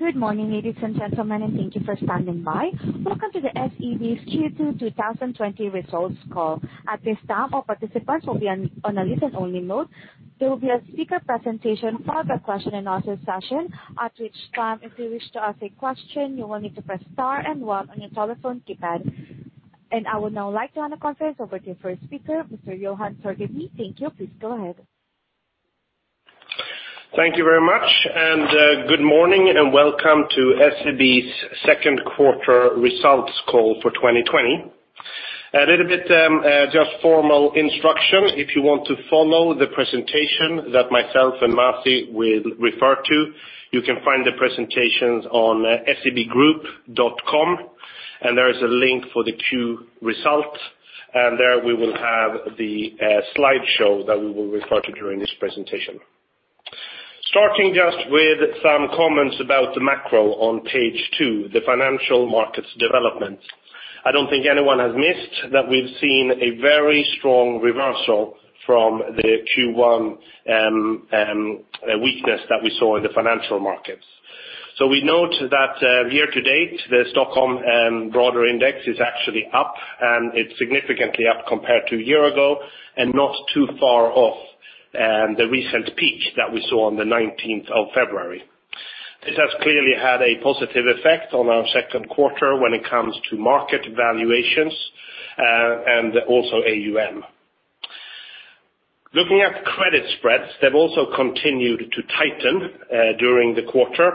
Good morning, ladies and gentlemen, and Thank you for standing by. Welcome to the SEB's Q2 2020 results call. At this time, all participants will be on a listen-only mode. There will be a speaker presentation, followed by question and answer session. At which time, if you wish to ask a question, you will need to press star and one on your telephone keypad. I would now like to hand the conference over to your first speaker, Mr. Johan Torgeby. Thank you. Please go ahead. Thank you very much. Good morning, and welcome to SEB's second quarter results call for 2020. A little bit just formal instruction. If you want to follow the presentation that myself and Masih will refer to, you can find the presentations on sebgroup.com, and there is a link for the Q result. There we will have the slideshow that we will refer to during this presentation. Starting just with some comments about the macro on page two, the financial markets developments. I don't think anyone has missed that we've seen a very strong reversal from the Q1 weakness that we saw in the financial markets. We note that year to date, the Stockholm broader index is actually up, and it's significantly up compared to a year ago, and not too far off the recent peak that we saw on the 19th of February. This has clearly had a positive effect on our second quarter when it comes to market valuations, and also AUM. Looking at credit spreads, they've also continued to tighten during the quarter.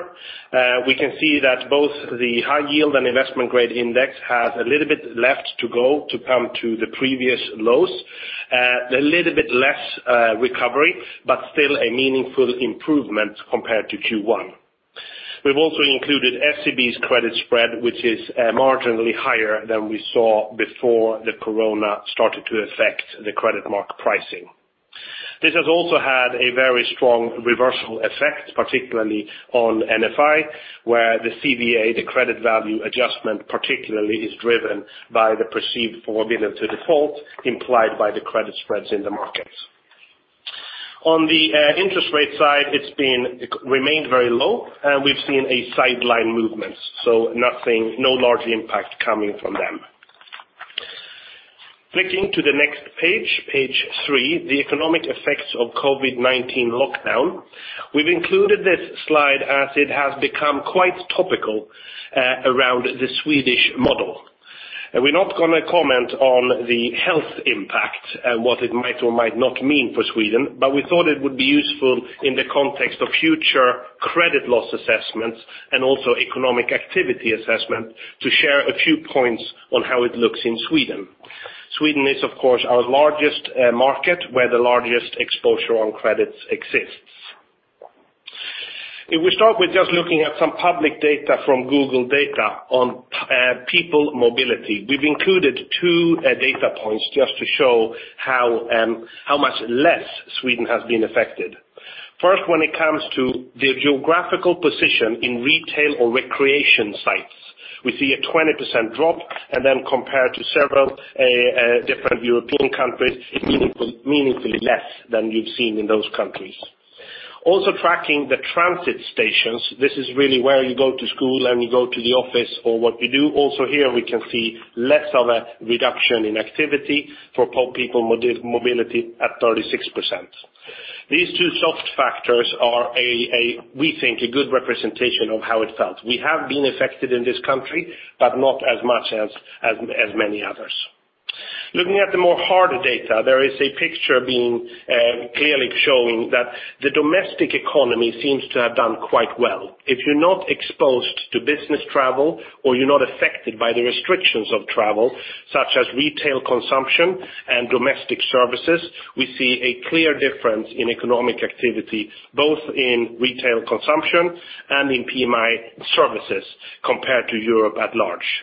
We can see that both the high yield and investment grade index has a little bit left to go to come to the previous lows. A little bit less recovery, but still a meaningful improvement compared to Q1. We've also included SEB's credit spread, which is marginally higher than we saw before the corona started to affect the credit market pricing. This has also had a very strong reversal effect, particularly on NFI, where the CVA, the credit value adjustment particularly is driven by the perceived probability to default implied by the credit spreads in the markets. On the interest rate side, it's remained very low. We've seen a sideline movement, so no large impact coming from them. Flicking to the next page three, the economic effects of COVID-19 lockdown. We've included this slide as it has become quite topical around the Swedish model. We're not going to comment on the health impact and what it might or might not mean for Sweden, but we thought it would be useful in the context of future credit loss assessments and also economic activity assessment to share a few points on how it looks in Sweden. Sweden is, of course, our largest market, where the largest exposure on credits exists. If we start with just looking at some public data from Google data on people mobility. We've included two data points just to show how much less Sweden has been affected. First, when it comes to the geographical position in retail or recreation sites. We see a 20% drop, and then compared to several different European countries, it's meaningfully less than you've seen in those countries. Tracking the transit stations. This is really where you go to school and you go to the office or what you do. Here we can see less of a reduction in activity for people mobility at 36%. These two soft factors are we think a good representation of how it felt. We have been affected in this country, but not as much as many others. Looking at the more harder data, there is a picture clearly showing that the domestic economy seems to have done quite well. If you're not exposed to business travel or you're not affected by the restrictions of travel, such as retail consumption and domestic services, we see a clear difference in economic activity, both in retail consumption and in PMI services compared to Europe at large.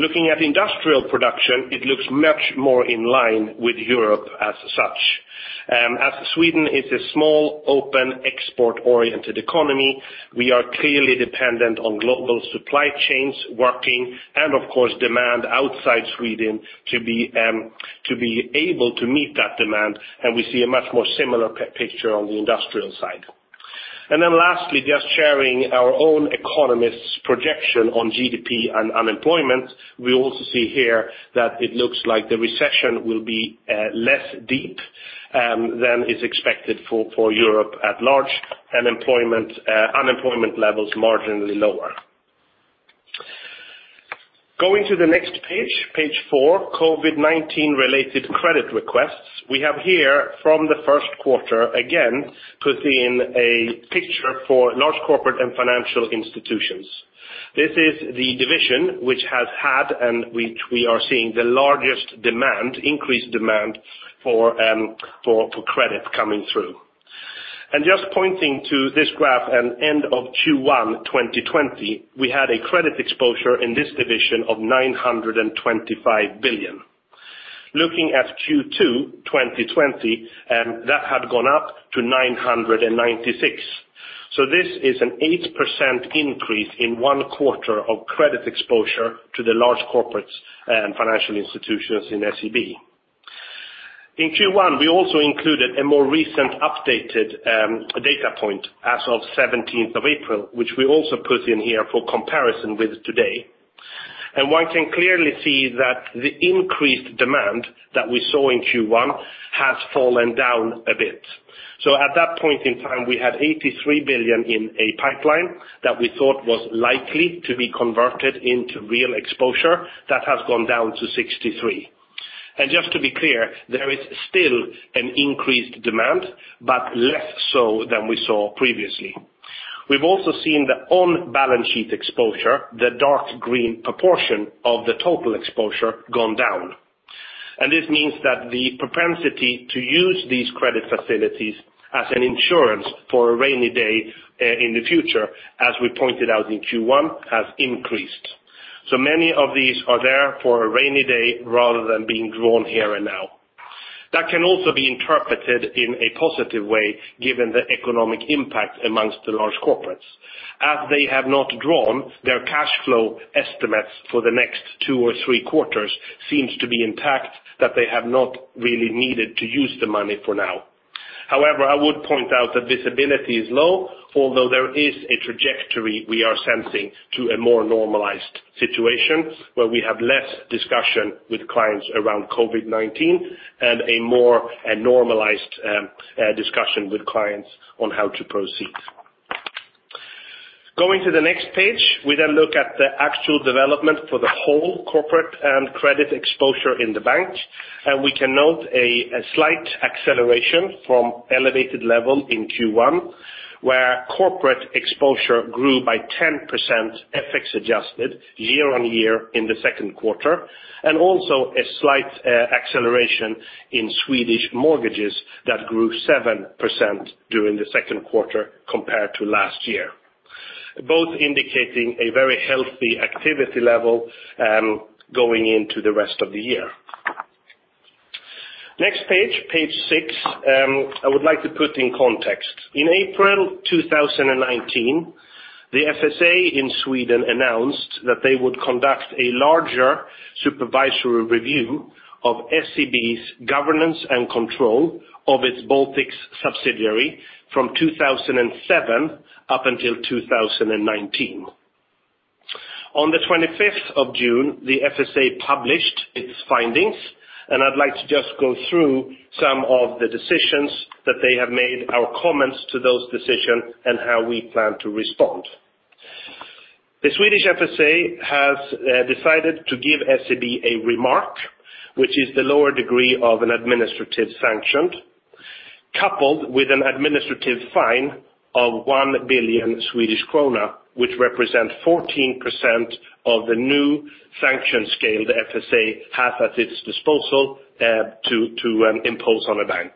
Looking at industrial production, it looks much more in line with Europe as such. As Sweden is a small, open, export-oriented economy, we are clearly dependent on global supply chains working and of course, demand outside Sweden to be able to meet that demand, and we see a much more similar picture on the industrial side. Lastly, just sharing our own economist's projection on GDP and unemployment. We also see here that it looks like the recession will be less deep than is expected for Europe at large, and unemployment levels marginally lower. Going to the next page four, COVID-19 related credit requests. We have here from the first quarter, again, putting a picture for Large Corporates & Financial Institutions. This is the division which has had, and which we are seeing the largest demand, increased demand for credit coming through. Just pointing to this graph and end of Q1 2020, we had a credit exposure in this division of 925 billion. Looking at Q2 2020, that had gone up to 996 billion. This is an 8% increase in one quarter of credit exposure to the Large Corporates & Financial Institutions in SEB. In Q1, we also included a more recent updated data point as of 17th of April, which we also put in here for comparison with today. One can clearly see that the increased demand that we saw in Q1 has fallen down a bit. At that point in time, we had 83 billion in a pipeline that we thought was likely to be converted into real exposure, that has gone down to 63. Just to be clear, there is still an increased demand, but less so than we saw previously. We've also seen the on-balance sheet exposure, the dark green proportion of the total exposure, gone down. And this means that the propensity to use these credit facilities as an insurance for a rainy day in the future, as we pointed out in Q1, has increased. Many of these are there for a rainy day rather than being drawn here and now. That can also be interpreted in a positive way, given the economic impact amongst the large corporates. As they have not drawn their cash flow estimates for the next two or three quarters, seems to be intact that they have not really needed to use the money for now. However, I would point out that visibility is low, although there is a trajectory we are sensing to a more normalized situation where we have less discussion with clients around COVID-19 and a more normalized discussion with clients on how to proceed. Going to the next page, we then look at the actual development for the whole corporate and credit exposure in the bank. We can note a slight acceleration from elevated level in Q1, where corporate exposure grew by 10% FX adjusted year-on-year in the second quarter, and also a slight acceleration in Swedish mortgages that grew 7% during the second quarter compared to last year, both indicating a very healthy activity level going into the rest of the year. Next page six. I would like to put in context. In April 2019, the FSA in Sweden announced that they would conduct a larger supervisory review of SEB's governance and control of its Baltics subsidiary from 2007 up until 2019. On the 25th of June, the FSA published its findings, and I'd like to just go through some of the decisions that they have made, our comments to those decision, and how we plan to respond. The Swedish FSA has decided to give SEB a remark, which is the lower degree of an administrative sanction, coupled with an administrative fine of 1 billion Swedish krona, which represent 14% of the new sanction scale the FSA has at its disposal to impose on a bank.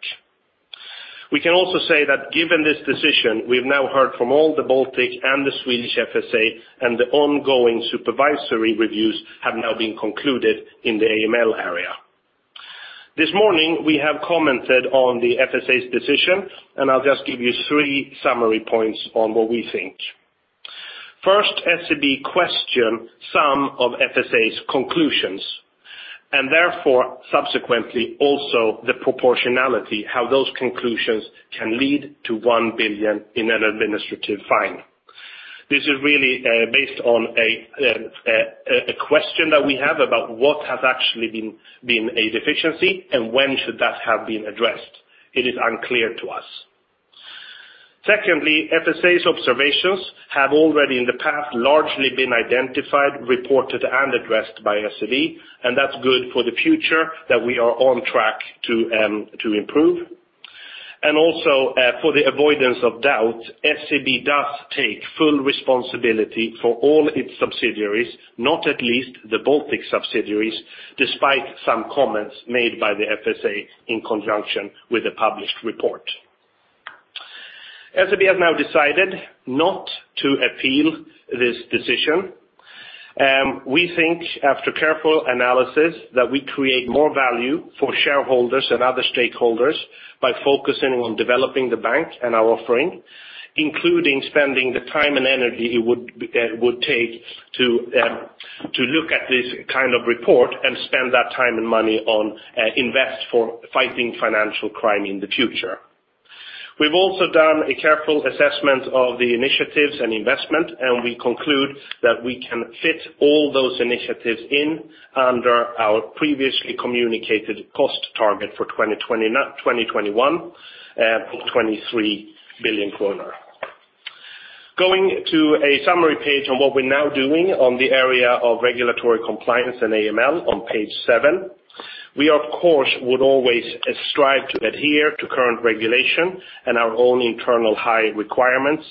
We can also say that given this decision, we've now heard from all the Baltic and the Swedish FSA, and the ongoing supervisory reviews have now been concluded in the AML area. This morning, we have commented on the FSA's decision, and I'll just give you three summary points on what we think. First, SEB question some of FSA's conclusions, and therefore, subsequently, also the proportionality, how those conclusions can lead to 1 billion in an administrative fine. This is really based on a question that we have about what has actually been a deficiency and when should that have been addressed. It is unclear to us. FSA's observations have already in the past largely been identified, reported, and addressed by SEB, and that's good for the future that we are on track to improve. For the avoidance of doubt, SEB does take full responsibility for all its subsidiaries, not at least the Baltic subsidiaries, despite some comments made by the FSA in conjunction with the published report. SEB has now decided not to appeal this decision. We think, after careful analysis, that we create more value for shareholders and other stakeholders by focusing on developing the bank and our offering, including spending the time and energy it would take to look at this kind of report and spend that time and money on invest for fighting financial crime in the future. We've also done a careful assessment of the initiatives and investment, and we conclude that we can fit all those initiatives in under our previously communicated cost target for 2021 of 23 billion kronor. Going to a summary page on what we're now doing on the area of regulatory compliance and AML on page seven. We, of course, would always strive to adhere to current regulation and our own internal high requirements,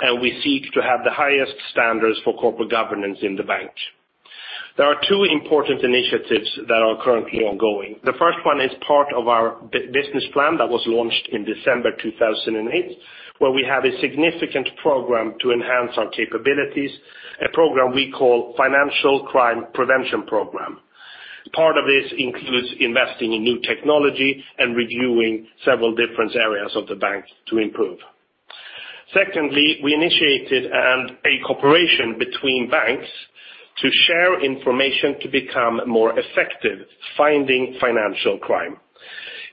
and we seek to have the highest standards for corporate governance in the bank. There are two important initiatives that are currently ongoing. The first one is part of our business plan that was launched in December 2008, where we have a significant program to enhance our capabilities, a program we call Financial Crime Prevention Program. Part of this includes investing in new technology and reviewing several different areas of the bank to improve. Secondly, we initiated a cooperation between banks to share information to become more effective finding financial crime.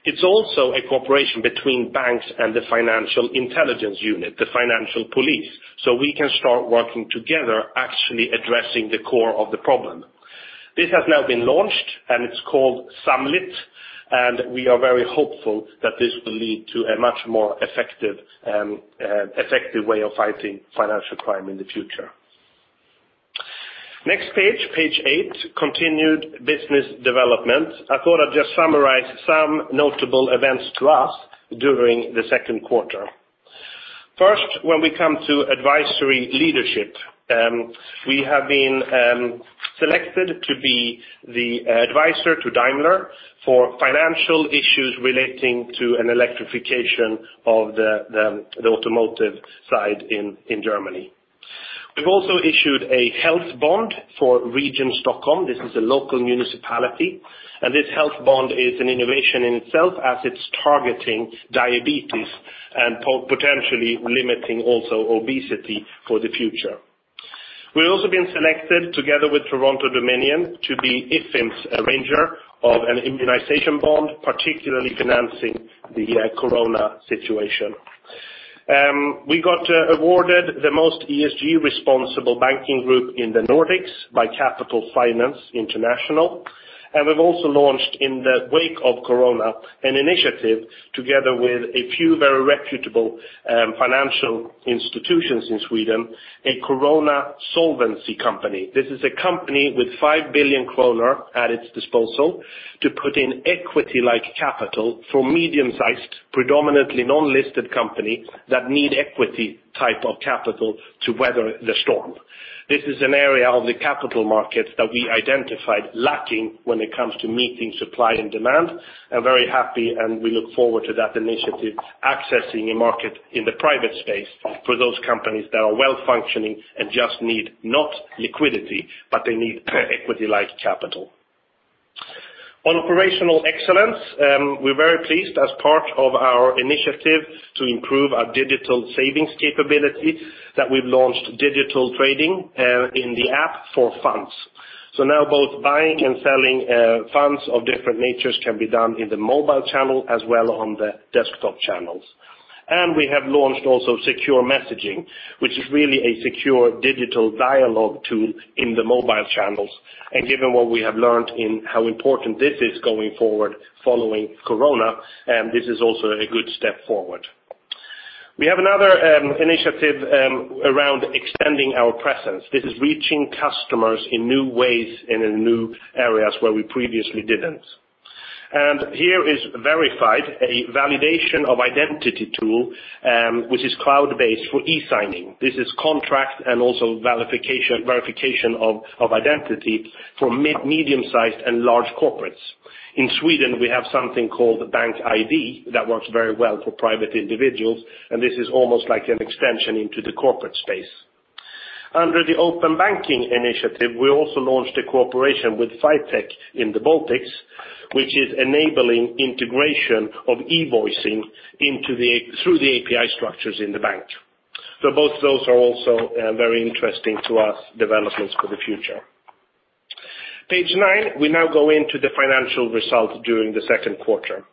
It's also a cooperation between banks and the Financial Intelligence Unit, the financial police, so we can start working together, actually addressing the core of the problem. This has now been launched, and it's called SAMLIT. We are very hopeful that this will lead to a much more effective way of fighting financial crime in the future. Next page eight, continued business development. I thought I'd just summarize some notable events to us during the second quarter. First, when we come to advisory leadership, we have been selected to be the advisor to Daimler for financial issues relating to an electrification of the automotive side in Germany. We've also issued a health bond for Region Stockholm. This is a local municipality. This health bond is an innovation in itself as it's targeting diabetes and potentially limiting also obesity for the future. We've also been selected together with Toronto-Dominion to be IFFIm's arranger of an immunization bond, particularly financing the COVID-19 situation. We got awarded the most ESG responsible banking group in the Nordics by Capital Finance International. We've also launched in the wake of COVID-19, an initiative together with a few very reputable financial institutions in Sweden, a COVID solvency company. This is a company with 5 billion kronor at its disposal to put in equity-like capital for medium-sized, predominantly non-listed company that need equity type of capital to weather the storm. This is an area of the capital market that we identified lacking when it comes to meeting supply and demand. I'm very happy, and we look forward to that initiative, accessing a market in the private space for those companies that are well-functioning and just need not liquidity, but they need equity-like capital. On operational excellence, we're very pleased as part of our initiative to improve our digital savings capability that we've launched digital trading in the app for funds. Now both buying and selling funds of different natures can be done in the mobile channel as well on the desktop channels. We have launched also secure messaging, which is really a secure digital dialogue tool in the mobile channels. Given what we have learned in how important this is going forward following COVID-19, this is also a good step forward. We have another initiative around extending our presence. This is reaching customers in new ways and in new areas where we previously didn't. Here is Verified, a validation of identity tool, which is cloud-based for e-signing. This is contract and also verification of identity for medium-sized and large corporates. In Sweden, we have something called BankID that works very well for private individuals, and this is almost like an extension into the corporate space. Under the open banking initiative, we also launched a cooperation with EveryPay in the Baltics, which is enabling integration of e-invoicing through the API structures in the bank. Both of those are also very interesting to us, developments for the future. Page nine, we now go into the financial results during the second quarter.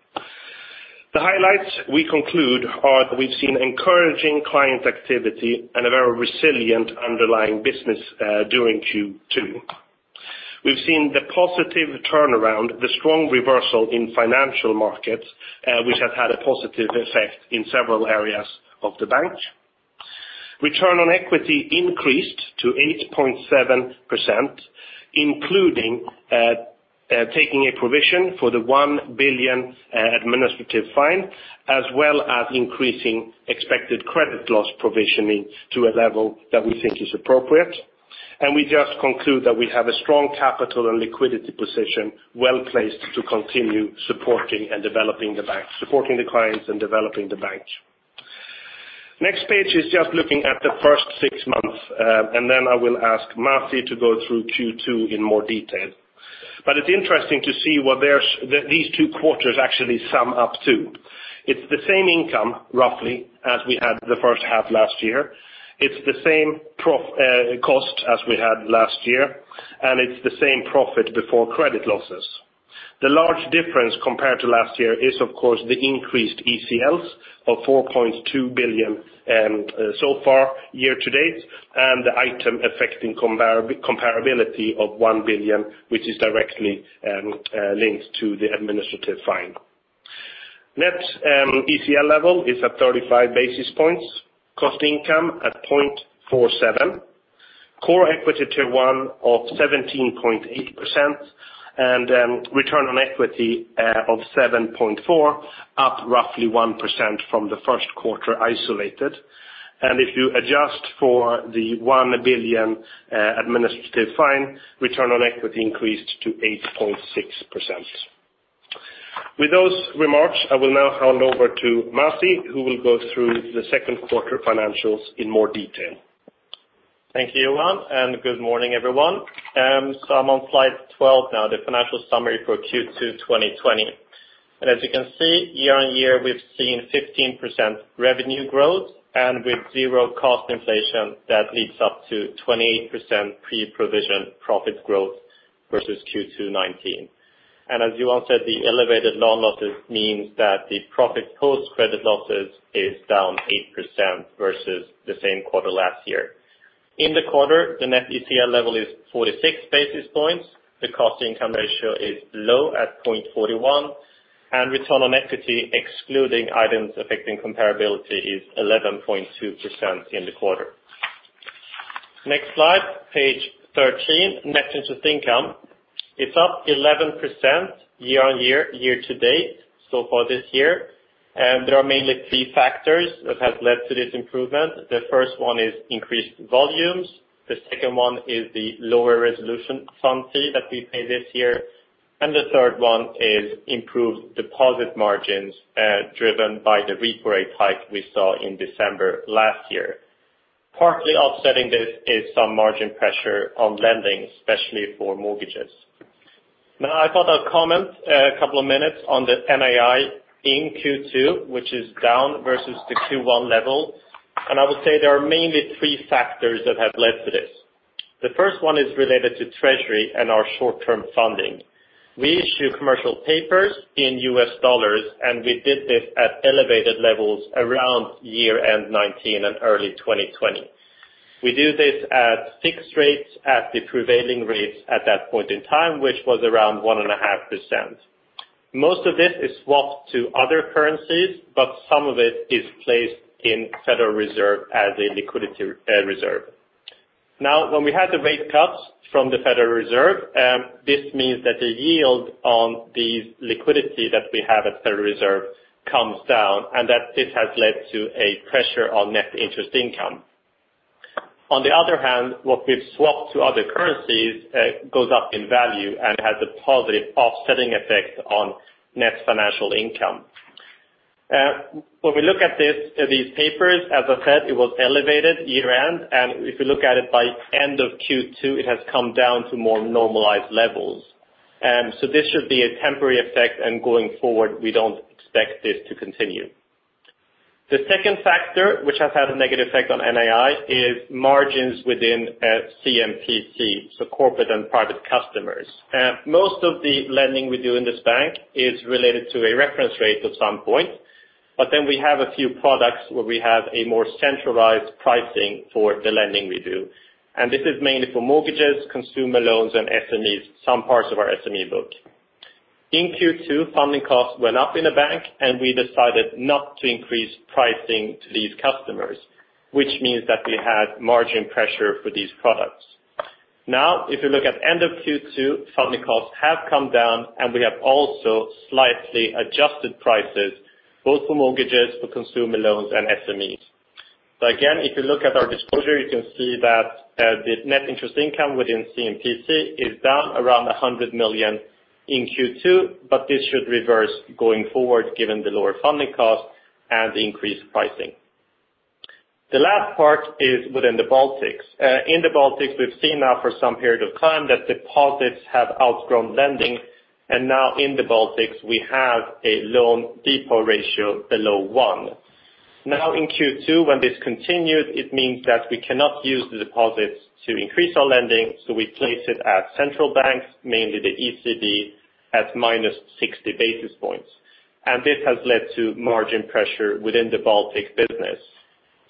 The highlights we conclude are we've seen encouraging client activity and a very resilient underlying business during Q2. We've seen the positive turnaround, the strong reversal in financial markets, which has had a positive effect in several areas of the bank. Return on equity increased to 8.7%, including taking a provision for the 1 billion administrative fine, as well as increasing expected credit loss provisioning to a level that we think is appropriate. We just conclude that we have a strong capital and liquidity position well-placed to continue supporting and developing the bank, supporting the clients and developing the bank. Next page is just looking at the first six months, then I will ask Masih to go through Q2 in more detail. It's interesting to see what these two quarters actually sum up to. It's the same income, roughly, as we had the first half last year. It's the same cost as we had last year, and it's the same profit before credit losses. The large difference compared to last year is, of course, the increased ECLs of 4.2 billion so far year to date, and the item affecting comparability of 1 billion, which is directly linked to the administrative fine. Net ECL level is at 35 basis points, cost income at 0.47. Core Equity Tier 1 of 17.8% and return on equity of 7.4%, up roughly 1% from the first quarter isolated. If you adjust for the 1 billion administrative fine, return on equity increased to 8.6%. With those remarks, I will now hand over to Masih, who will go through the second quarter financials in more detail. Thank you, Johan, and Good morning, everyone. I'm on slide 12 now, the financial summary for Q2 2020. As you can see, year-over-year, we've seen 15% revenue growth and with zero cost inflation that leads up to 28% pre-provision profit growth versus Q2 2019. As Johan said, the elevated loan losses means that the profit post-credit losses is down 8% versus the same quarter last year. In the quarter, the net ECL level is 46 basis points. The cost income ratio is low at 0.41, and return on equity, excluding items affecting comparability, is 11.2% in the quarter. Next slide, page 13, net interest income. It's up 11% year-over-year, year to date so far this year, there are mainly three factors that have led to this improvement. The first one is increased volumes, the second one is the lower resolution fund fee that we pay this year, and the third one is improved deposit margins, driven by the repo rate hike we saw in December last year. Partly offsetting this is some margin pressure on lending, especially for mortgages. I thought I'd comment a couple of minutes on the NII in Q2, which is down versus the Q1 level. I would say there are mainly three factors that have led to this. The first one is related to treasury and our short-term funding. We issue commercial papers in US dollars, and we did this at elevated levels around year end 2019 and early 2020. We do this at fixed rates at the prevailing rates at that point in time, which was around 1.5%. Most of this is swapped to other currencies, but some of it is placed in Federal Reserve as a liquidity reserve. Now, when we had the rate cuts from the Federal Reserve, this means that the yield on these liquidity that we have at Federal Reserve comes down, and that this has led to a pressure on net interest income. On the other hand, what we've swapped to other currencies goes up in value and has a positive offsetting effect on net financial income. When we look at these papers, as I said, it was elevated year end, and if you look at it by end of Q2, it has come down to more normalized levels. This should be a temporary effect and going forward, we don't expect this to continue. The second factor which has had a negative effect on NII is margins within C&PC, so Corporate & Private Customers. Most of the lending we do in this bank is related to a reference rate at some point. We have a few products where we have a more centralized pricing for the lending we do. This is mainly for mortgages, consumer loans and SMEs, some parts of our SME book. In Q2, funding costs went up in the bank and we decided not to increase pricing to these customers, which means that we had margin pressure for these products. Now, if you look at end of Q2, funding costs have come down and we have also slightly adjusted prices both for mortgages, for consumer loans and SMEs. Again, if you look at our disclosure, you can see that the net interest income within C&PC is down around 100 million in Q2, but this should reverse going forward given the lower funding cost and the increased pricing. The last part is within the Baltics. In the Baltics, we've seen now for some period of time that deposits have outgrown lending, and now in the Baltics we have a loan-to-deposit ratio below one. Now in Q2, when this continued, it means that we cannot use the deposits to increase our lending, so we place it at central banks, mainly the ECB at -60 basis points. This has led to margin pressure within the Baltic business.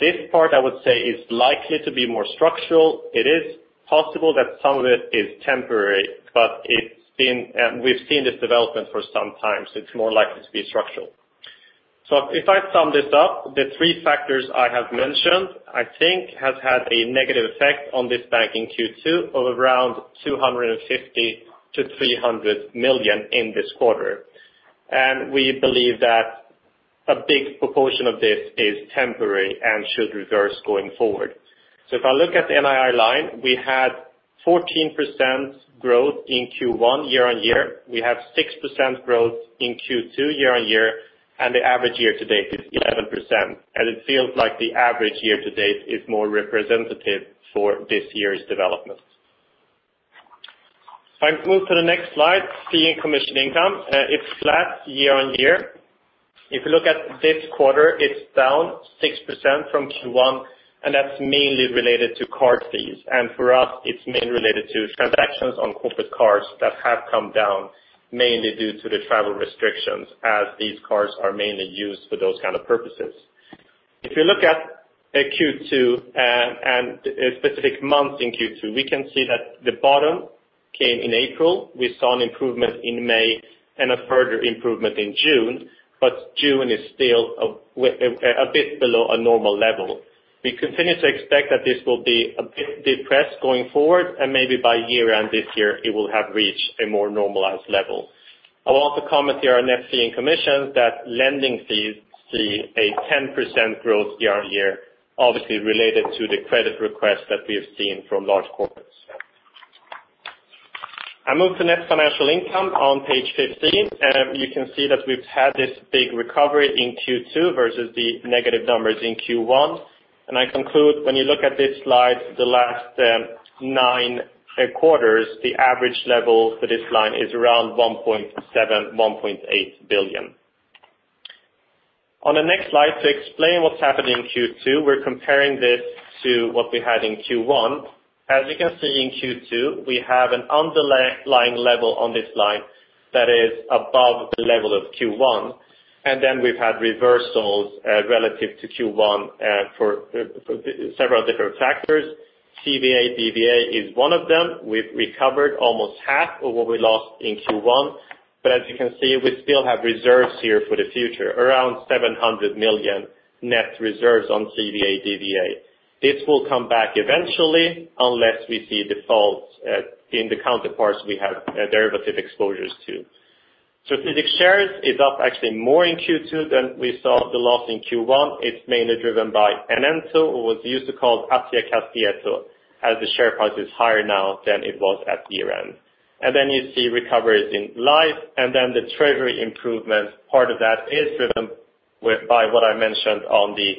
This part, I would say, is likely to be more structural. It is possible that some of it is temporary, but we've seen this development for some time, so it's more likely to be structural. If I sum this up, the three factors I have mentioned, I think has had a negative effect on this bank in Q2 of around 250 million-300 million in this quarter. We believe that a big proportion of this is temporary and should reverse going forward. If I look at the NII line, we had 14% growth in Q1 year-on-year. We have 6% growth in Q2 year-on-year, and the average year to date is 11%. It feels like the average year to date is more representative for this year's development. If I move to the next slide, fee and commission income. It's flat year-on-year. If you look at this quarter, it's down 6% from Q1. That's mainly related to card fees. For us, it's mainly related to transactions on corporate cards that have come down mainly due to the travel restrictions as these cards are mainly used for those kind of purposes. If you look at Q2 and specific months in Q2, we can see that the bottom came in April. We saw an improvement in May and a further improvement in June. June is still a bit below a normal level. We continue to expect that this will be a bit depressed going forward and maybe by year end this year it will have reached a more normalized level. I want to comment here on net fee and commissions that lending fees see a 10% growth year-over-year, obviously related to the credit request that we have seen from large corporates. I move to net financial income on page 15. You can see that we've had this big recovery in Q2 versus the negative numbers in Q1. I conclude when you look at this slide, the last nine quarters, the average level for this line is around 1.7 billion-1.8 billion. On the next slide, to explain what's happening in Q2, we're comparing this to what we had in Q1. As you can see in Q2, we have an underlying level on this line that is above the level of Q1, then we've had reversals relative to Q1 for several different factors. CVA, DVA is one of them. We've recovered almost half of what we lost in Q1. As you can see, we still have reserves here for the future, around 700 million net reserves on CVA, DVA. This will come back eventually unless we see defaults in the counterparts we have derivative exposures to. Strategic shares is up actually more in Q2 than we saw the loss in Q1. It's mainly driven by NN, so it was used to call as the share price is higher now than it was at year-end. You see recoveries in Life and then the treasury improvements. Part of that is driven by what I mentioned on the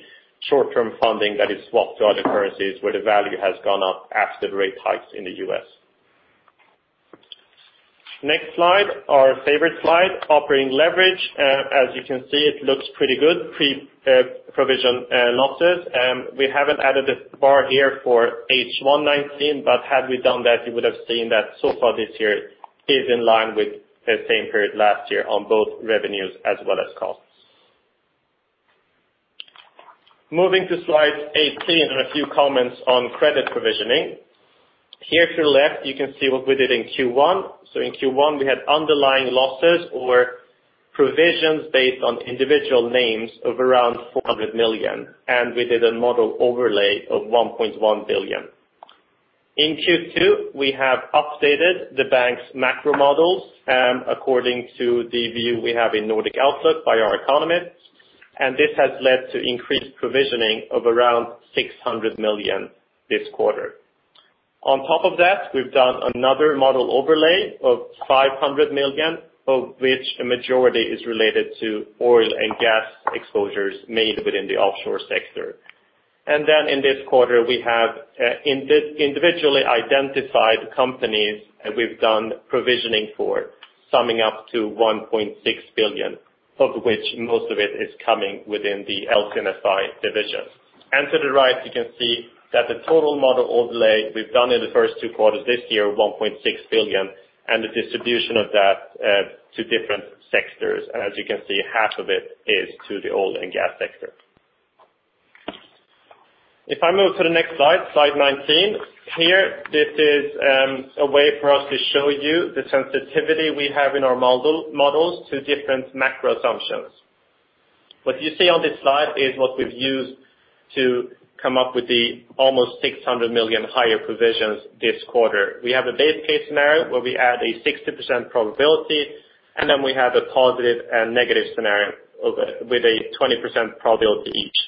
short-term funding that is swapped to other currencies, where the value has gone up after the rate hikes in the U.S. Next slide, our favorite slide, operating leverage. As you can see, it looks pretty good, pre-provision losses. We haven't added this bar here for H1 2019. Had we done that, you would have seen that so far this year is in line with the same period last year on both revenues as well as costs. Moving to slide 18 and a few comments on credit provisioning. Here to the left, you can see what we did in Q1. In Q1, we had underlying losses or provisions based on individual names of around 400 million. We did a model overlay of 1.1 billion. In Q2, we have updated the bank's macro models according to the view we have in Nordic Outlook by our economists. This has led to increased provisioning of around 600 million this quarter. On top of that, we've done another model overlay of 500 million, of which a majority is related to oil and gas exposures made within the offshore sector. In this quarter, we have individually identified companies we've done provisioning for summing up to 1.6 billion, of which most of it is coming within the LC&FI division. To the right, you can see that the total model overlay we've done in the first two quarters this year, 1.6 billion, and the distribution of that to different sectors. As you can see, half of it is to the oil and gas sector. If I move to the next slide 19. Here, this is a way for us to show you the sensitivity we have in our models to different macro assumptions. What you see on this slide is what we've used to come up with the almost 600 million higher provisions this quarter. We have a base case scenario where we add a 60% probability, and then we have a positive and negative scenario with a 20% probability each.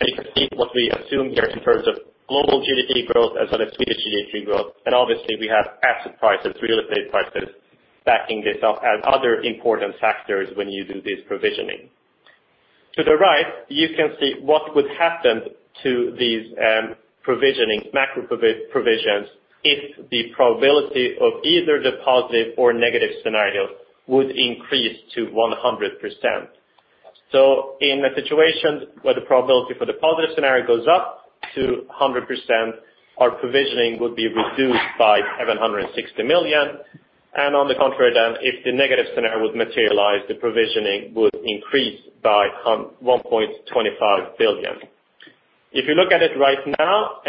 You can see what we assume here in terms of global GDP growth as well as Swedish GDP growth. Obviously we have asset prices, real estate prices backing this up and other important factors when you do this provisioning. To the right, you can see what would happen to these provisionings, macro provisions if the probability of either the positive or negative scenarios would increase to 100%. In a situation where the probability for the positive scenario goes up to 100%, our provisioning would be reduced by 760 million. On the contrary, if the negative scenario would materialize, the provisioning would increase by 1.25 billion. If you look at it right now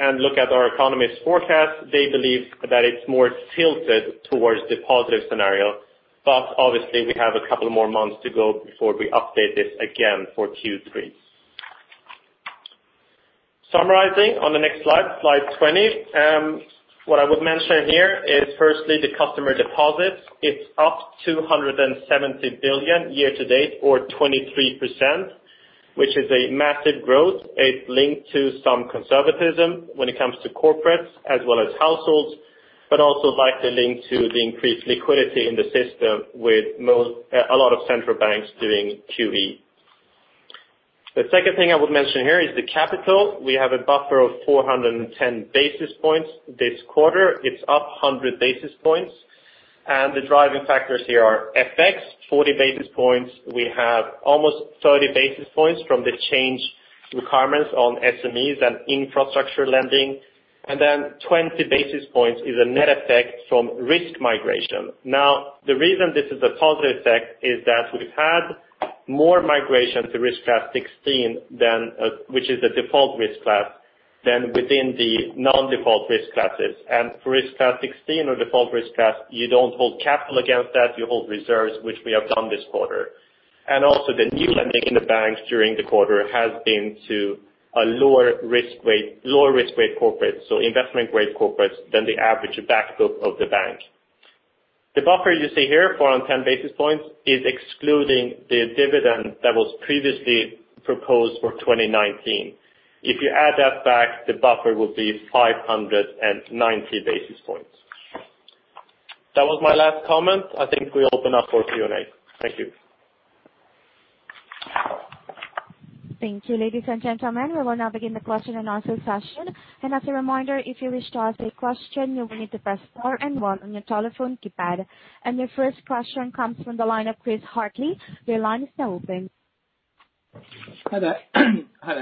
and look at our economists' forecast, they believe that it's more tilted towards the positive scenario. Obviously we have a couple more months to go before we update this again for Q3. Summarizing on the next slide 20. What I would mention here is firstly the customer deposits. It's up 270 billion year-to-date or 23%, which is a massive growth. It's linked to some conservatism when it comes to corporates as well as households, also likely linked to the increased liquidity in the system with a lot of central banks doing QE. The second thing I would mention here is the capital. We have a buffer of 410 basis points this quarter. It's up 100 basis points. The driving factors here are FX, 40 basis points. We have almost 30 basis points from the change requirements on SMEs and infrastructure lending. 20 basis points is a net effect from risk migration. The reason this is a positive effect is that we've had more migration to risk class 16, which is a default risk class, than within the non-default risk classes. For risk class 16 or default risk class, you don't hold capital against that. You hold reserves, which we have done this quarter. The new lending in the bank during the quarter has been to a lower risk weight corporate, so investment grade corporates than the average back book of the bank. The buffer you see here, 410 basis points, is excluding the dividend that was previously proposed for 2019. If you add that back, the buffer will be 590 basis points. That was my last comment. I think we open up for Q&A. Thank you. Thank you, ladies and gentlemen. We will now begin the question and answer session. As a reminder, if you wish to ask a question, you will need to press star and one on your telephone keypad. Your first question comes from the line of Chris Hartley. Your line is now open. Hi there.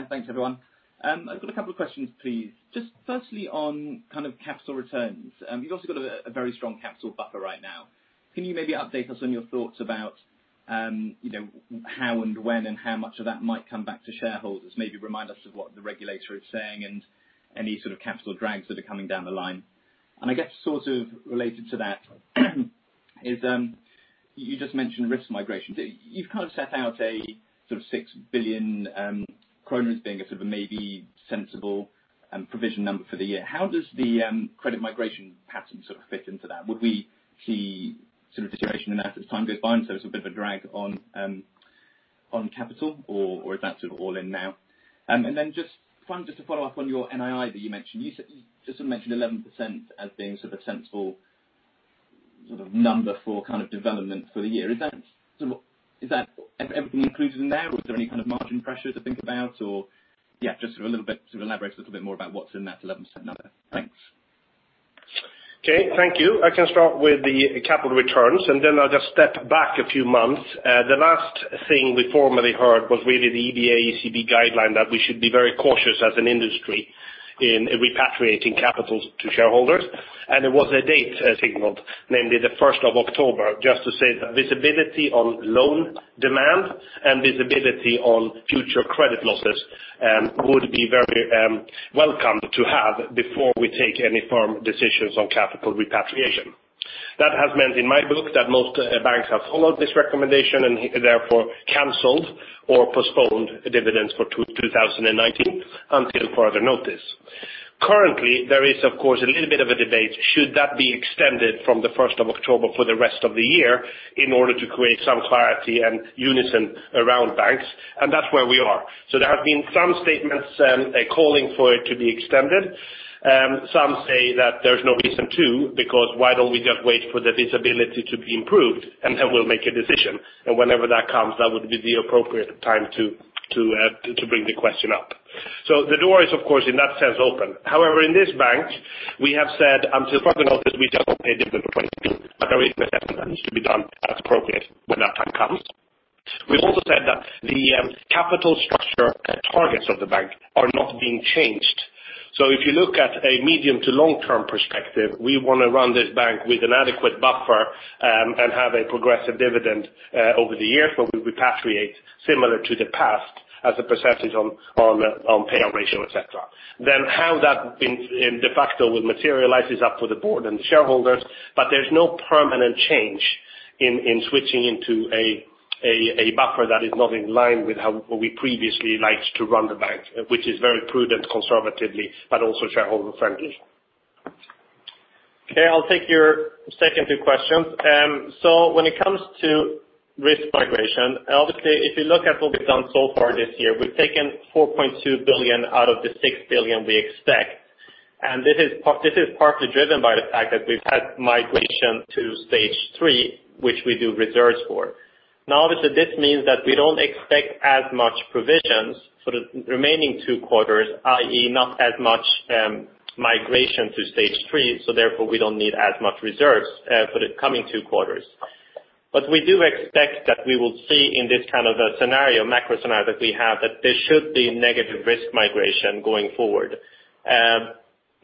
Thanks, everyone. I've got a couple of questions, please. Just firstly on capital returns. You've also got a very strong capital buffer right now. Can you maybe update us on your thoughts about how and when and how much of that might come back to shareholders? Maybe remind us of what the regulator is saying and any sort of capital drags that are coming down the line. I guess, sort of related to that, you just mentioned risk migration. You've set out a sort of six billion SEK being a sort of maybe sensible provision number for the year. How does the credit migration pattern fit into that? Would we see sort of deterioration in that as time goes by and so sort of a drag on capital, or is that sort of all in now? Just to follow up on your NII that you mentioned. You just mentioned 11% as being sort of sensible number for development for the year. Is that everything included in there, or is there any kind of margin pressure to think about, or Yeah, just elaborate a little bit more about what's in that 11% number. Thanks. Okay. Thank you. I can start with the capital returns, and then I'll just step back a few months. The last thing we formally heard was really the EBA ECB guideline that we should be very cautious as an industry in repatriating capitals to shareholders. There was a date signaled, namely the 1st of October, just to say that visibility on loan demand and visibility on future credit losses would be very welcome to have before we take any firm decisions on capital repatriation. That has meant, in my book, that most banks have followed this recommendation and therefore canceled or postponed dividends for 2019 until further notice. Currently, there is of course, a little bit of a debate should that be extended from the 1st of October for the rest of the year in order to create some clarity and unison around banks, and that's where we are. There have been some statements calling for it to be extended. Some say that there's no reason to, because why don't we just wait for the visibility to be improved, and then we'll make a decision. Whenever that comes, that would be the appropriate time to bring the question up. The door is, of course, in that sense open. However, in this bank, we have said until further notice, we don't pay dividends for 2022. There is a second that needs to be done as appropriate when that time comes. We've also said that the capital structure targets of the bank are not being changed. If you look at a medium to long-term perspective, we want to run this bank with an adequate buffer, and have a progressive dividend over the years where we repatriate similar to the past as a percentage on payout ratio, et cetera. How that de facto will materialize is up to the board and shareholders, but there's no permanent change in switching into a buffer that is not in line with how we previously liked to run the bank, which is very prudent conservatively, but also shareholder-friendly. Okay. I'll take your second two questions. When it comes to risk migration, obviously, if you look at what we've done so far this year, we've taken 4.2 billion out of the 6 billion we expect. This is partly driven by the fact that we've had migration to stage 3, which we do reserves for. Obviously, this means that we don't expect as much provisions for the remaining two quarters, i.e., not as much migration to stage 3. Therefore, we don't need as much reserves for the coming two quarters. We do expect that we will see in this kind of a scenario, macro scenario that we have, that there should be negative risk migration going forward.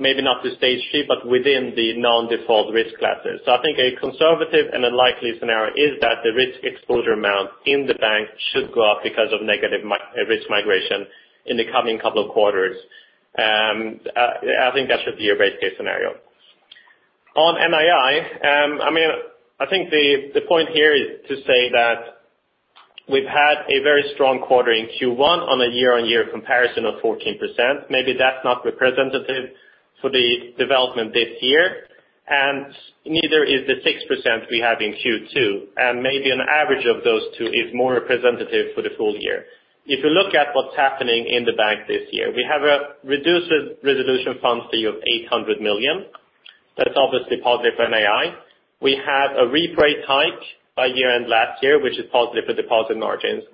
Maybe not to stage 3, but within the non-default risk classes. I think a conservative and a likely scenario is that the risk exposure amount in the bank should go up because of negative risk migration in the coming couple of quarters. I think that should be your base case scenario. On NII, I think the point here is to say that we've had a very strong quarter in Q1 on a year-over-year comparison of 14%. Maybe that's not representative for the development this year, and neither is the 6% we have in Q2, and maybe an average of those two is more representative for the full year. If you look at what's happening in the bank this year, we have a reduced resolution fund fee of 800 million. That's obviously positive NII. We had a reprice hike by year-end last year, which is positive for deposit margins, and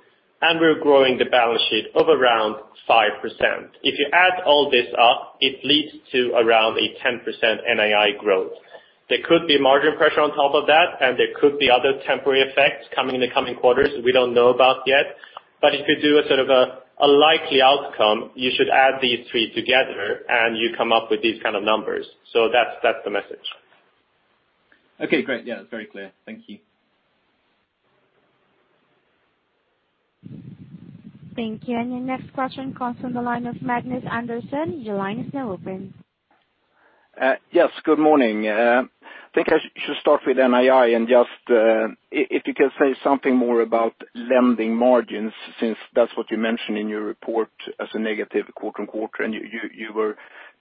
we're growing the balance sheet of around 5%. You add all this up, it leads to around a 10% NII growth. There could be margin pressure on top of that, there could be other temporary effects coming in the coming quarters we don't know about yet. If you do a likely outcome, you should add these three together, you come up with these kind of numbers. That's the message. Okay, great. Yeah, that's very clear. Thank you. Thank you. Your next question comes from the line of Magnus Andersson. Your line is now open. Yes, good morning. I think I should start with NII and just if you can say something more about lending margins since that's what you mentioned in your report as a negative quarter-on-quarter and you were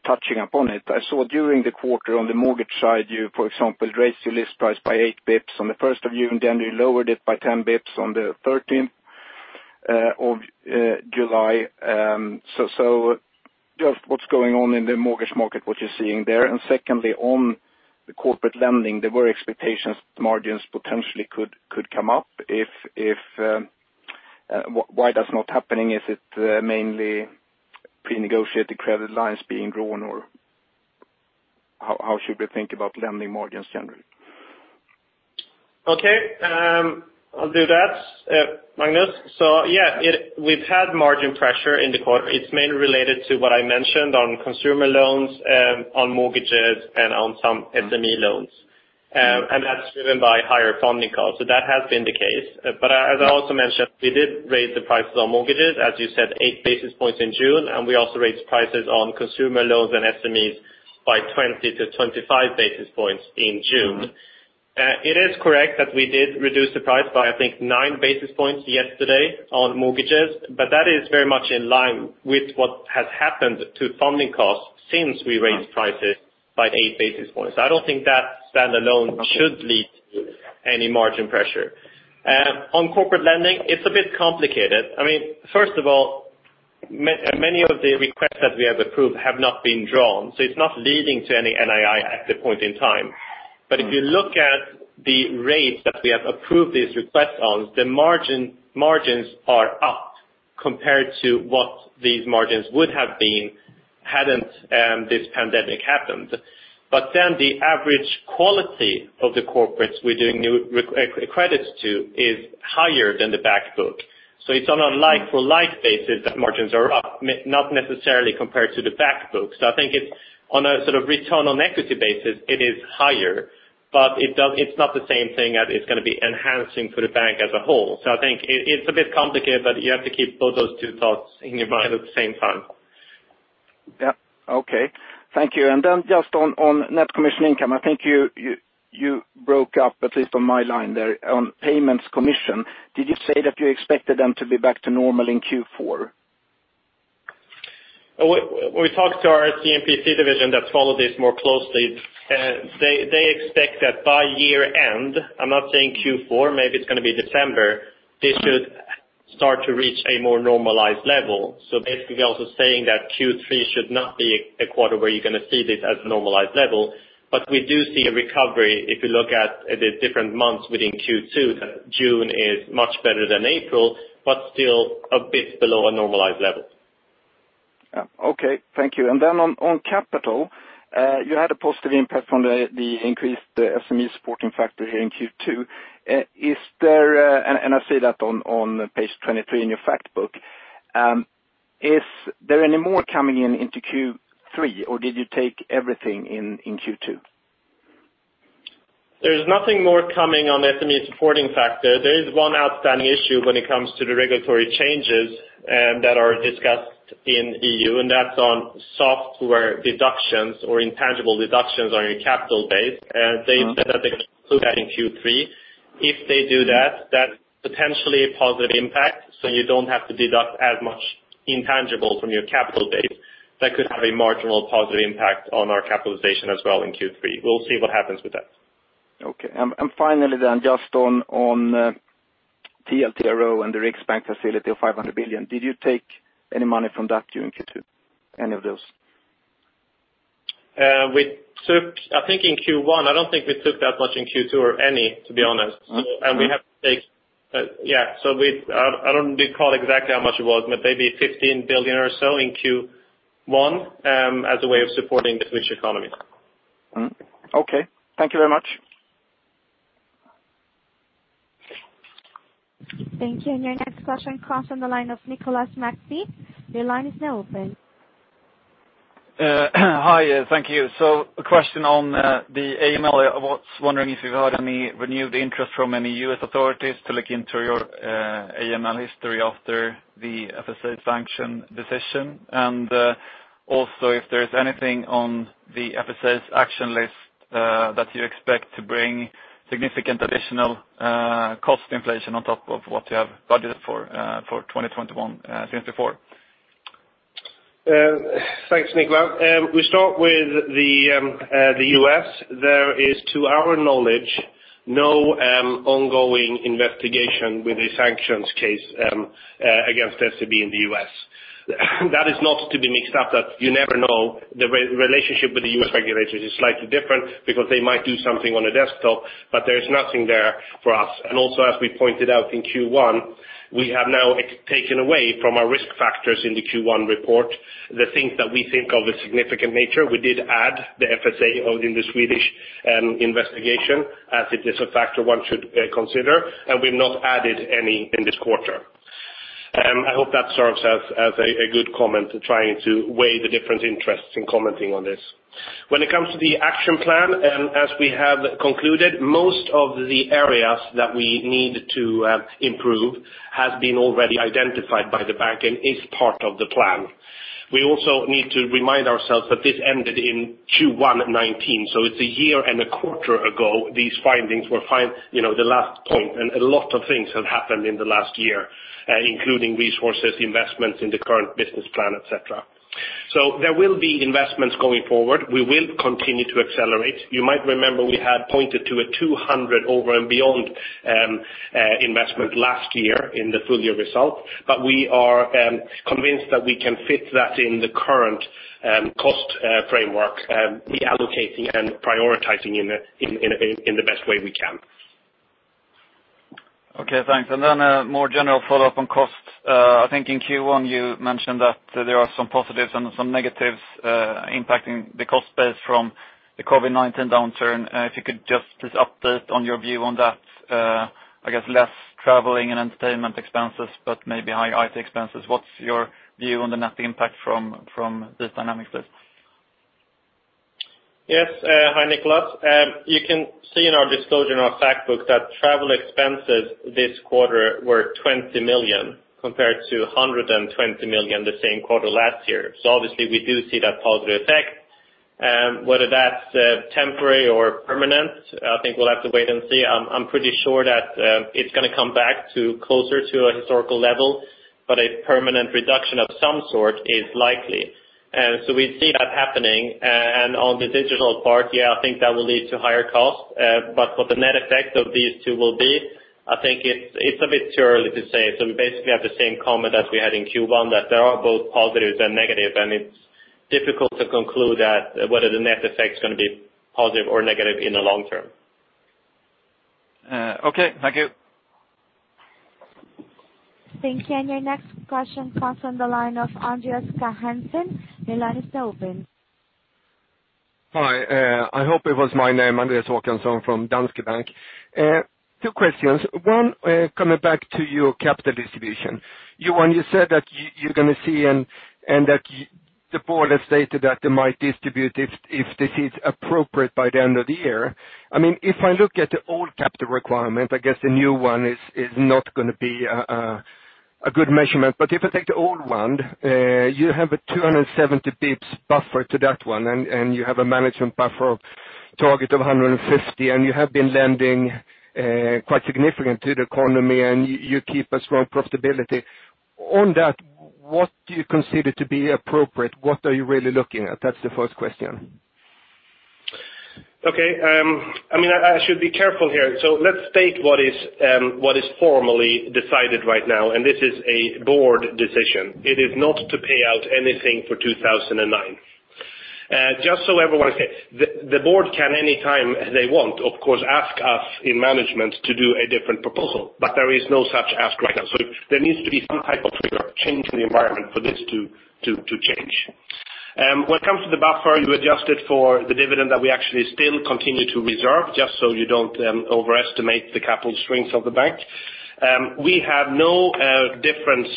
touching upon it. I saw during the quarter on the mortgage side, you, for example, raised your list price by eight basis points on the 1st of June, then you lowered it by 10 basis points on the 13th of July. Just what's going on in the mortgage market, what you're seeing there? Secondly, on the corporate lending, there were expectations margins potentially could come up. Why that's not happening, is it mainly pre-negotiated credit lines being grown, or how should we think about lending margins generally? Okay. I'll do that, Magnus. Yeah, we've had margin pressure in the quarter. It's mainly related to what I mentioned on consumer loans, on mortgages, and on some SME loans. That's driven by higher funding costs. That has been the case. As I also mentioned, we did raise the prices on mortgages, as you said, eight basis points in June, and we also raised prices on consumer loans and SMEs by 20-25 basis points in June. It is correct that we did reduce the price by, I think, nine basis points yesterday on mortgages, that is very much in line with what has happened to funding costs since we raised prices by eight basis points. On corporate lending, it's a bit complicated. First of all, many of the requests that we have approved have not been drawn, it's not leading to any NII at the point in time. If you look at the rates that we have approved these requests on, the margins are up compared to what these margins would have been hadn't this pandemic happened. The average quality of the corporates we're doing new credits to is higher than the back book. It's on a like for like basis that margins are up, not necessarily compared to the back book. I think it's on a return on equity basis, it is higher, but it's not the same thing as it's going to be enhancing for the bank as a whole. I think it's a bit complicated, but you have to keep both those two thoughts in your mind at the same time. Yeah. Okay. Thank you. Just on net commission income, I think you broke up, at least on my line there, on payments commission. Did you say that you expected them to be back to normal in Q4? We talked to our C&PC division that follow this more closely. They expect that by year-end, I'm not saying Q4, maybe it's going to be December, they should start to reach a more normalized level. Basically also saying that Q3 should not be a quarter where you're going to see this as a normalized level, but we do see a recovery if you look at the different months within Q2, that June is much better than April, but still a bit below a normalized level. Yeah. Okay. Thank you. On capital, you had a positive impact from the increased SME supporting factor here in Q2. I see that on page 23 in your fact book. Is there any more coming into Q3, or did you take everything in Q2? There is nothing more coming on SME supporting factor. There is one outstanding issue when it comes to the regulatory changes that are discussed in EU, and that's on software deductions or intangible deductions on your capital base. They said that they can include that in Q3. If they do that's potentially a positive impact, so you don't have to deduct as much intangible from your capital base. That could have a marginal positive impact on our capitalization as well in Q3. We'll see what happens with that. Okay. Finally, just on TLTRO and the Riksbank facility of 500 billion, did you take any money from that during Q2, any of those? I think in Q1, I don't think we took that much in Q2 or any, to be honest. I don't recall exactly how much it was, but maybe 15 billion or so in Q1, as a way of supporting the Swedish economy. Okay. Thank you very much. Thank you. Your next question comes from the line of Nicholas Maxi. Your line is now open. Hi. Thank you. A question on the AML. I was wondering if you've had any renewed interest from any U.S. authorities to look into your AML history after the Finansinspektionen sanction decision, and also if there's anything on the Finansinspektionen's action list that you expect to bring significant additional cost inflation on top of what you have budgeted for 2021-2024. Thanks, Nicholas. We start with the U.S. There is, to our knowledge, no ongoing investigation with a sanctions case against SEB in the U.S. That is not to be mixed up that you never know the relationship with the U.S. regulators is slightly different because they might do something on a desktop, there's nothing there for us. Also, as we pointed out in Q1, we have now taken away from our risk factors in the Q1 report the things that we think of a significant nature. We did add the Finansinspektionen in the Swedish investigation as it is a factor one should consider, we've not added any in this quarter. I hope that serves as a good comment trying to weigh the different interests in commenting on this. When it comes to the action plan, as we have concluded, most of the areas that we need to improve has been already identified by the bank and is part of the plan. We also need to remind ourselves that this ended in Q1 2019, so it's a year and a quarter ago these findings were filed, the last point, and a lot of things have happened in the last year, including resources, investments in the current business plan, et cetera. There will be investments going forward. We will continue to accelerate. You might remember we had pointed to a 200 over and beyond investment last year in the full year result. We are convinced that we can fit that in the current cost framework, reallocating and prioritizing it in the best way we can. Okay, Thanks. A more general follow-up on cost. I think in Q1 you mentioned that there are some positives and some negatives impacting the cost base from the COVID-19 downturn. If you could just update on your view on that. I guess less traveling and entertainment expenses, but maybe higher IT expenses. What's your view on the net impact from these dynamics? Yes. Hi, Nicholas. You can see in our disclosure, in our fact book that travel expenses this quarter were 20 million compared to 120 million the same quarter last year. Obviously we do see that positive effect. Whether that's temporary or permanent, I think we'll have to wait and see. I'm pretty sure that it's going to come back to closer to a historical level, but a permanent reduction of some sort is likely. We see that happening. On the digital part, yeah, I think that will lead to higher costs. What the net effect of these two will be, I think it's a bit too early to say. We basically have the same comment as we had in Q1, that there are both positives and negatives, and it is difficult to conclude that whether the net effect is going to be positive or negative in the long term. Okay, thank you. Thank you. Your next question comes from the line of Andreas Håkansson. The line is open. Hi. I hope it was my name. Andreas Håkansson from Danske Bank. Two questions. One, coming back to your capital distribution. Johan, you said that you're going to see, and that the board has stated that they might distribute if this is appropriate by the end of the year. I look at the old capital requirement, I guess the new one is not going to be a good measurement. I take the old one, you have a 270 basis points buffer to that one, and you have a management buffer target of 150, and you have been lending quite significant to the economy, and you keep a strong profitability. On that, what do you consider to be appropriate? What are you really looking at? That's the first question. Okay. I should be careful here. Let's state what is formally decided right now, and this is a board decision. It is not to pay out anything for 2009. Just so everyone is clear. The board can, anytime they want, of course, ask us in management to do a different proposal, but there is no such ask right now. There needs to be some type of trigger, change in the environment for this to change. When it comes to the buffer, you adjust it for the dividend that we actually still continue to reserve, just so you don't overestimate the capital strength of the bank. We have no difference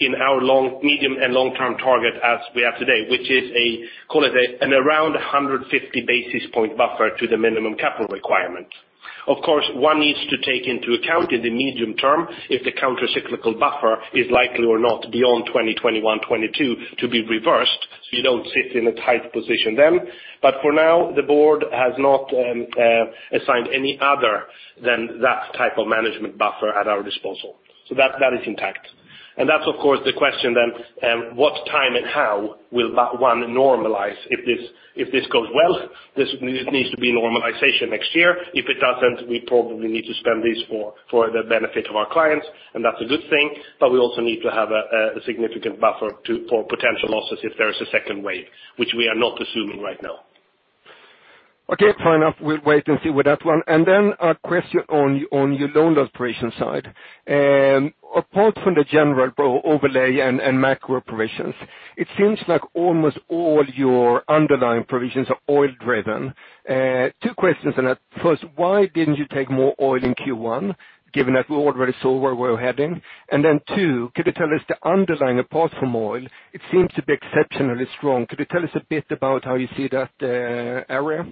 in our medium and long-term target as we have today, which is, call it an around 150 basis point buffer to the minimum capital requirement. Of course, one needs to take into account in the medium term if the countercyclical buffer is likely or not beyond 2021, 2022 to be reversed, so you don't sit in a tight position then. For now, the board has not assigned any other than that type of management buffer at our disposal. That is intact. That's of course the question then, what time and how will that one normalize? If this goes well, this needs to be normalization next year. If it doesn't, we probably need to spend this for the benefit of our clients, and that's a good thing. We also need to have a significant buffer for potential losses if there is a second wave, which we are not assuming right now. Okay, fair enough. We'll wait and see with that one. A question on your loan loss provision side. Apart from the general overlay and macro provisions, it seems like almost all your underlying provisions are oil driven. Two questions on that. First, why didn't you take more oil in Q1, given that we already saw where we're heading? Two, could you tell us the underlying apart from oil, it seems to be exceptionally strong. Could you tell us a bit about how you see that area?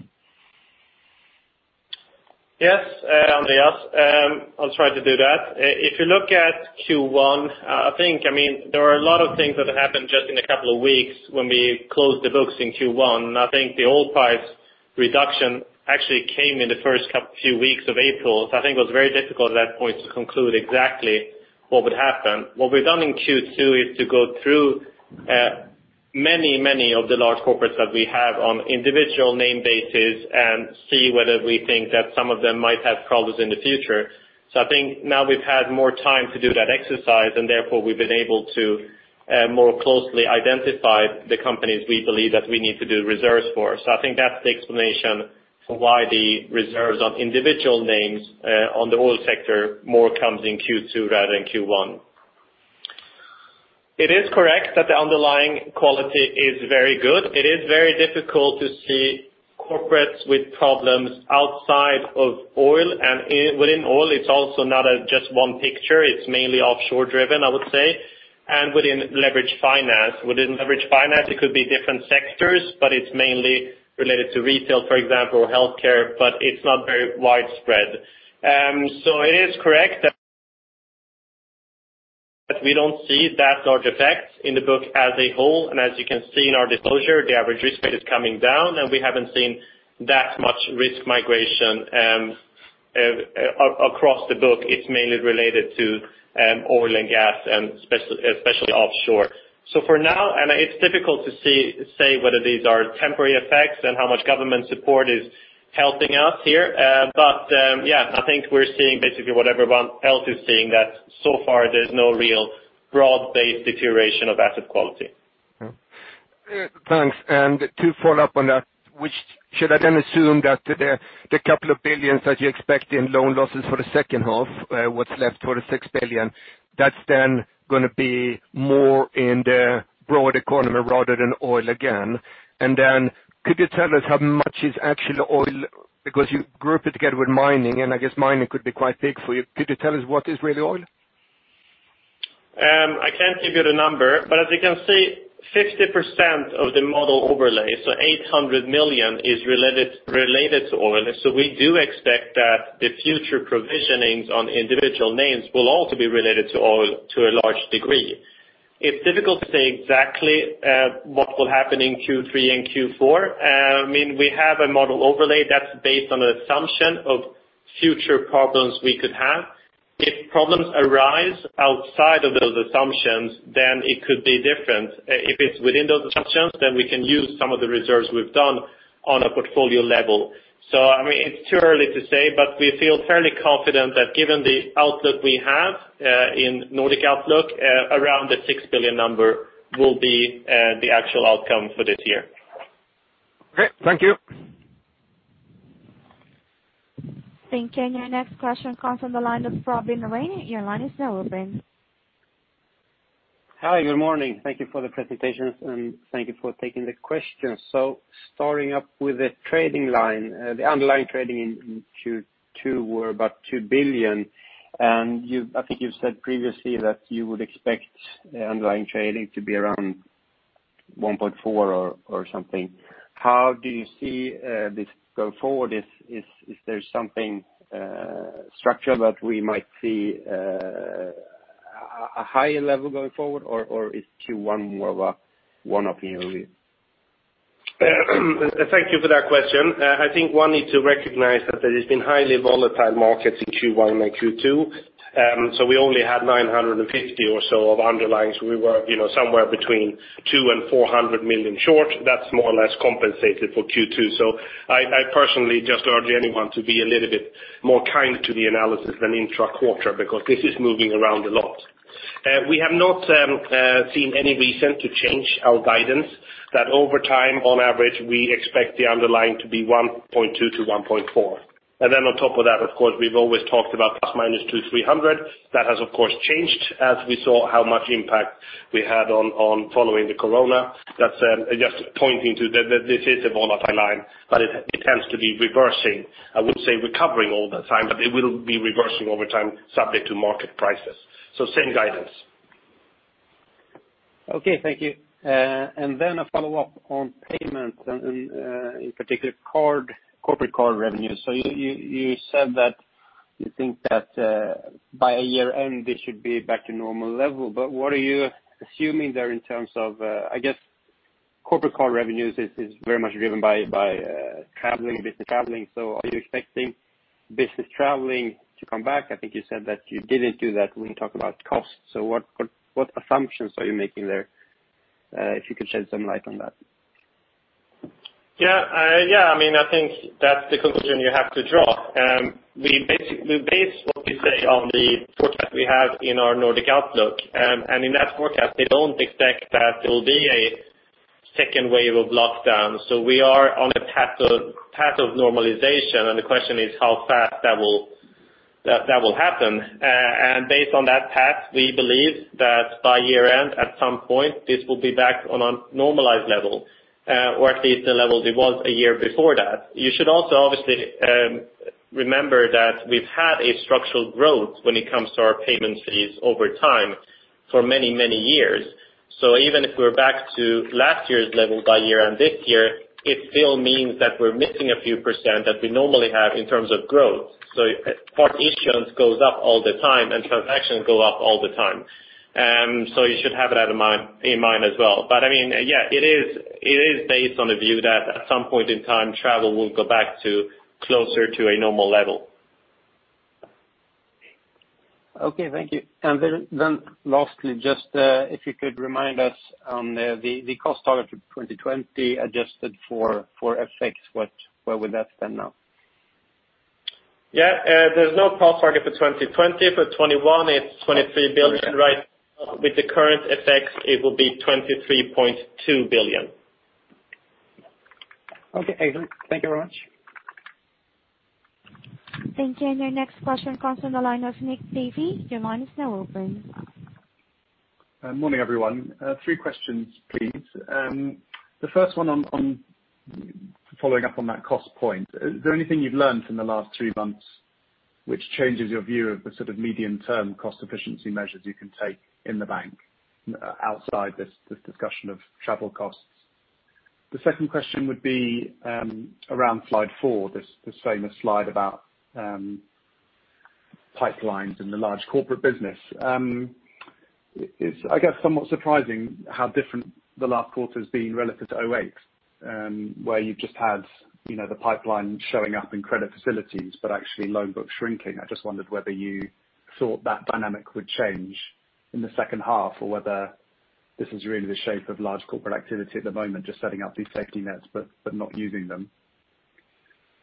Yes. Andreas, I'll try to do that. If you look at Q1, there were a lot of things that happened just in a couple of weeks when we closed the books in Q1. I think the oil price reduction actually came in the first few weeks of April. I think it was very difficult at that point to conclude exactly what would happen. What we've done in Q2 is to go through many of the large corporates that we have on individual name basis and see whether we think that some of them might have problems in the future. I think now we've had more time to do that exercise, and therefore we've been able to more closely identify the companies we believe that we need to do reserves for. I think that's the explanation for why the reserves on individual names on the oil sector more comes in Q2 rather than Q1. It is correct that the underlying quality is very good. It is very difficult to see corporates with problems outside of oil, and within oil, it's also not just one picture. It's mainly offshore driven, I would say, and within leveraged finance. Within leveraged finance, it could be different sectors, but it's mainly related to retail, for example, healthcare, but it's not very widespread. It is correct that we don't see that large effect in the book as a whole. As you can see in our disclosure, the average risk weight is coming down, and we haven't seen that much risk migration and across the book, it's mainly related to oil and gas, and especially offshore. For now, and it's difficult to say whether these are temporary effects and how much government support is helping us here. Yeah, I think we're seeing basically what everyone else is seeing, that so far there's no real broad-based deterioration of asset quality. Thanks. To follow up on that, should I then assume that the couple of billion that you expect in loan losses for the second half, what's left for the 6 billion, that's then going to be more in the broad economy rather than oil again? Could you tell us how much is actually oil? Because you group it together with mining, and I guess mining could be quite big for you. Could you tell us what is really oil? I can't give you the number, but as you can see, 50% of the model overlay, so 800 million, is related to oil. We do expect that the future provisionings on individual names will also be related to oil to a large degree. It's difficult to say exactly what will happen in Q3 and Q4. We have a model overlay that's based on an assumption of future problems we could have. If problems arise outside of those assumptions, then it could be different. If it's within those assumptions, then we can use some of the reserves we've done on a portfolio level. It's too early to say, but we feel fairly confident that given the outlook we have in Nordic Outlook, around the 6 billion number will be the actual outcome for this year. Okay. Thank you. Thank you. Your next question comes from the line of Robin Raine. Your line is now open. Hi. Good morning. Thank you for the presentation, thank you for taking the question. Starting up with the trading line, the underlying trading in Q2 were about 2 billion, and I think you've said previously that you would expect the underlying trading to be around 1.4 billion or something. How do you see this go forward? Is there something structural that we might see a higher level going forward, or is Q1 more of a one off in your view? Thank you for that question. I think one need to recognize that there has been highly volatile markets in Q1 and Q2. We only had 950 or so of underlyings. We were somewhere between 200 million and 400 million short. That's more or less compensated for Q2. I personally just urge anyone to be a little bit more kind to the analysis than intra-quarter, because this is moving around a lot. We have not seen any reason to change our guidance that over time, on average, we expect the underlying to be 1.2 to 1.4. On top of that, of course, we've always talked about plus or minus 200 million-300 million. That has, of course, changed as we saw how much impact we had on following the COVID-19. That's just pointing to that this is a volatile line, but it tends to be reversing. I wouldn't say recovering all the time, but it will be reversing over time subject to market prices. Same guidance. Okay. Thank you. Then a follow-up on payments and in particular corporate card revenues. You said that you think that by year-end, this should be back to normal level. What are you assuming there in terms of I guess corporate card revenues is very much driven by business traveling? Are you expecting business traveling to come back? I think you said that you didn't do that when you talk about cost. What assumptions are you making there? If you could shed some light on that. Yeah. I think that's the conclusion you have to draw. We base what we say on the forecast we have in our Nordic Outlook. In that forecast, they don't expect that there will be a second wave of lockdown. We are on a path of normalization, and the question is how fast that will happen. Based on that path, we believe that by year-end, at some point, this will be back on a normalized level, or at least the level it was a year before that. You should also obviously remember that we've had a structural growth when it comes to our payment fees over time for many, many years. Even if we're back to last year's level by year-end this year, it still means that we're missing a few percent that we normally have in terms of growth. Card issuance goes up all the time, and transactions go up all the time. You should have it in mind as well. Yeah, it is based on a view that at some point in time, travel will go back to closer to a normal level. Okay. Thank you. Lastly, just if you could remind us on the cost target for 2020, adjusted for FX, where would that stand now? Yeah. There's no cost target for 2020, but 2021, it's 23 billion. With the current FX, it will be 23.2 billion. Okay. Thank you very much. Thank you. Your next question comes from the line of Nick Davey. Your line is now open. Morning, everyone. Three questions, please. The first one on following up on that cost point. Is there anything you've learned from the last three months which changes your view of the sort of medium-term cost efficiency measures you can take in the bank outside this discussion of travel costs? The second question would be around slide four, this famous slide about Pipelines in the large corporate business. It's somewhat surprising how different the last quarter has been relative to 2008, where you've just had the pipeline showing up in credit facilities, but actually loan book shrinking. I just wondered whether you thought that dynamic would change in the second half, or whether this is really the shape of large corporate activity at the moment, just setting up these safety nets but not using them.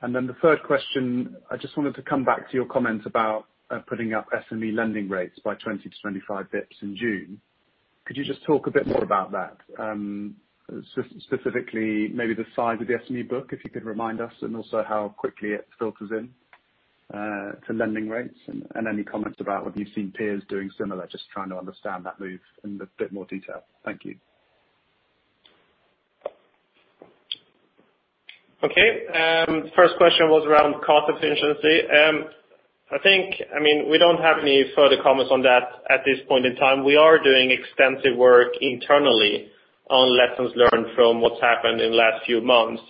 The third question, I just wanted to come back to your comment about putting up SME lending rates by 20 to 25 basis points in June. Could you just talk a bit more about that? Specifically, maybe the size of the SME book, if you could remind us, and also how quickly it filters in to lending rates, and any comments about whether you've seen peers doing similar, just trying to understand that move in a bit more detail. Thank you. Okay. First question was around cost efficiency. We don't have any further comments on that at this point in time. We are doing extensive work internally on lessons learned from what's happened in the last few months.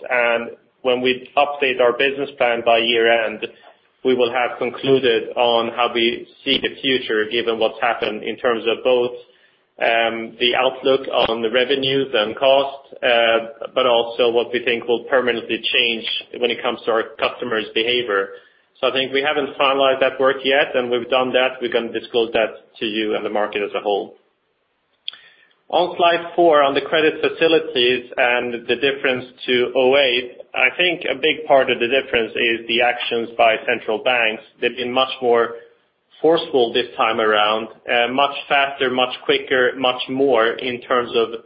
When we update our business plan by year-end, we will have concluded on how we see the future, given what's happened in terms of both the outlook on the revenues and costs, but also what we think will permanently change when it comes to our customers' behavior. I think we haven't finalized that work yet, and we've done that, we're going to disclose that to you and the market as a whole. On slide four, on the credit facilities and the difference to 2008, I think a big part of the difference is the actions by central banks. They've been much more forceful this time around, much faster, much quicker, much more in terms of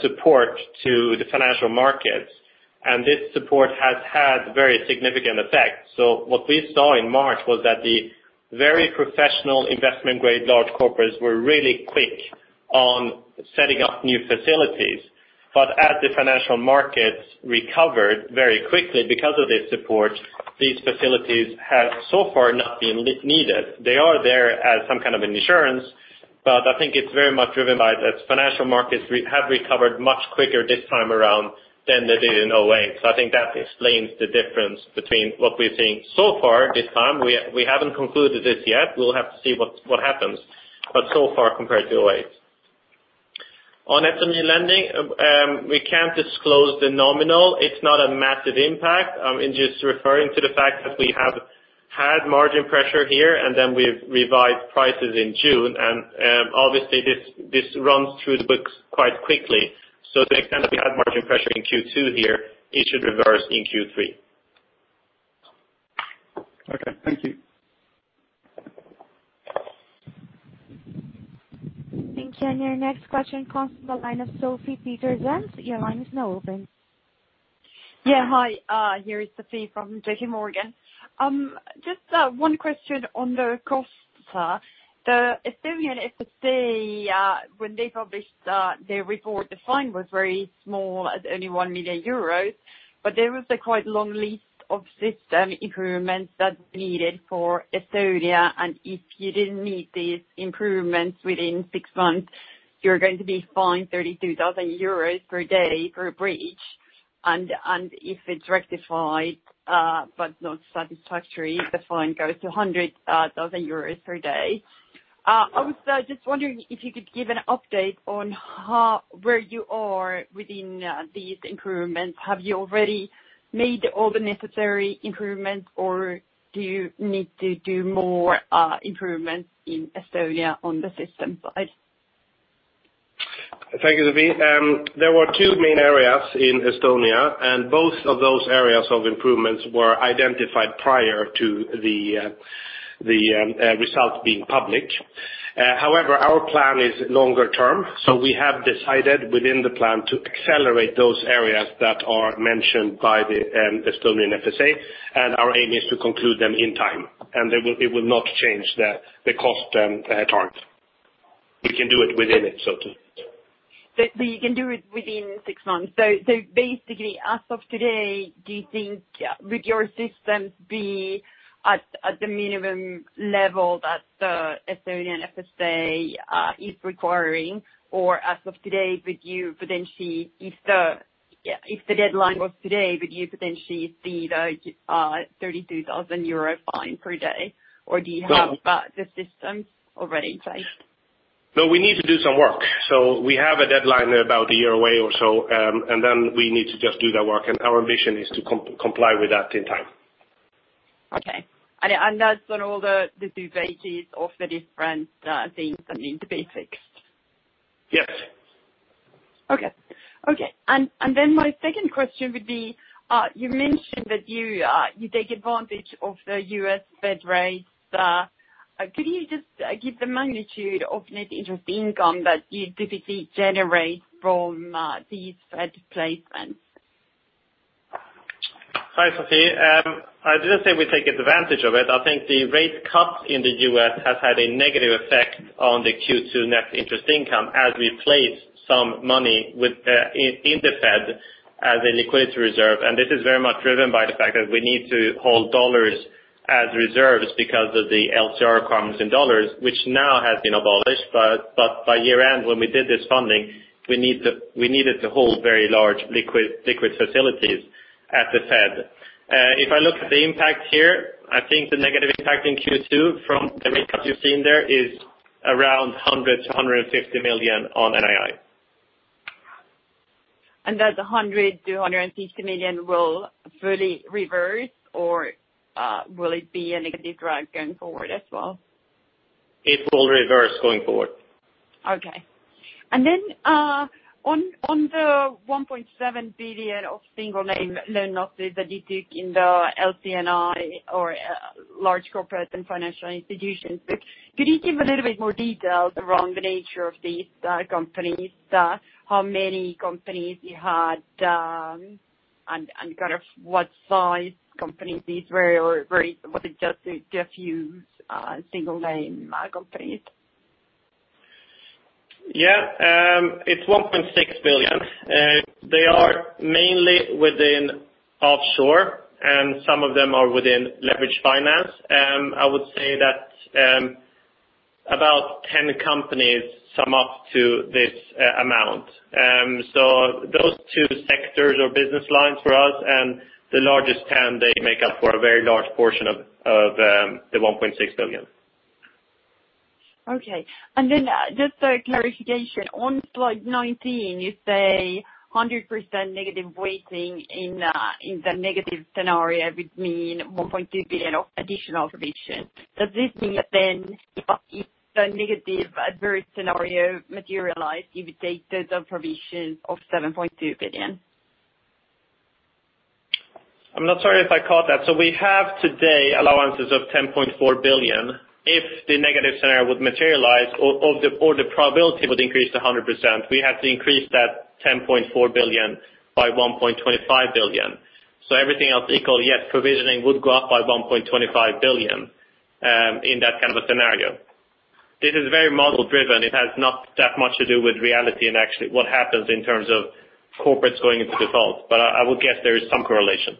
support to the financial markets. This support has had very significant effect. What we saw in March was that the very professional investment-grade large corporates were really quick on setting up new facilities. As the financial markets recovered very quickly because of this support, these facilities have so far not been needed. They are there as some kind of insurance, but I think it's very much driven by the financial markets have recovered much quicker this time around than they did in 2008. I think that explains the difference between what we're seeing so far this time. We haven't concluded this yet. We'll have to see what happens, but so far compared to 2008. On SME lending, we can't disclose the nominal. It's not a massive impact. In just referring to the fact that we have had margin pressure here, and then we've revised prices in June, and obviously this runs through the books quite quickly. To the extent that we had margin pressure in Q2 here, it should reverse in Q3. Okay. Thank you. Thank you. Your next question comes from the line of Sofia Peterzens. Your line is now open. Yeah. Hi, Here is Sofia from JPMorgan. Just one question on the costs. The Estonian FSA when they published their report, the fine was very small at only 1 million euros, but there was a quite long list of system improvements that were needed for Estonia. If you didn't meet these improvements within six months, you're going to be fined 32,000 euros per day for a breach, and if it's rectified but not satisfactory, the fine goes to 100,000 euros per day. I was just wondering if you could give an update on where you are within these improvements. Have you already made all the necessary improvements, or do you need to do more improvements in Estonia on the system side? Thank you, Sofia. There were two main areas in Estonia, and both of those areas of improvements were identified prior to the result being public. However, our plan is longer term, so we have decided within the plan to accelerate those areas that are mentioned by the Estonian FSA, and our aim is to conclude them in time, and it will not change the cost terms. We can do it within it. You can do it within six months. Basically, as of today, do you think would your systems be at the minimum level that the Estonian FSA is requiring? As of today, would you potentially, if the deadline was today, would you potentially see the 32,000 euro fine per day, or do you have the systems already in place? No, we need to do some work. We have a deadline about a year away or so, and then we need to just do the work, and our mission is to comply with that in time. Okay. That's on all the different stages of the different things that need to be fixed? Yes. Okay. My second question would be, you mentioned that you take advantage of the U.S. Fed rates. Could you just give the magnitude of net interest income that you typically generate from these Fed placements? Hi, Sofia. I didn't say we take advantage of it. I think the rate cut in the U.S. has had a negative effect on the Q2 net interest income as we placed some money in the Fed as a liquidity reserve. This is very much driven by the fact that we need to hold dollars as reserves because of the LCR requirements in dollars, which now has been abolished. By year-end, when we did this funding, we needed to hold very large liquid facilities at the Fed. If I look at the impact here, I think the negative impact in Q2 from the make-up you've seen there is around 100 million-150 million on NII. That the 100 million-150 million will fully reverse or will it be a negative drag going forward as well? It will reverse going forward. Okay. On the 1.7 billion of single name loan losses that you took in the LC&FI or Large Corporates & Financial Institutions, could you give a little bit more detail around the nature of these companies? How many companies you had, and what size companies these were, or was it just a few single name companies? It's 1.6 billion. They are mainly within offshore, and some of them are within leveraged finance. I would say that about 10 companies sum up to this amount. Those two sectors or business lines for us and the largest 10, they make up for a very large portion of the 1.6 billion. Okay. Just a clarification. On slide 19, you say 100% negative weighting in the negative scenario would mean 1.2 billion of additional provision. Does this mean that then if the negative adverse scenario materialize, you would take the provision of 7.2 billion? I'm not sure if I caught that. We have today allowances of 10.4 billion. If the negative scenario would materialize or the probability would increase to 100%, we have to increase that 10.4 billion by 1.25 billion. Everything else equal, yes, provisioning would go up by 1.25 billion, in that kind of a scenario. This is very model-driven. It has not that much to do with reality and actually what happens in terms of corporates going into default. I would guess there is some correlation.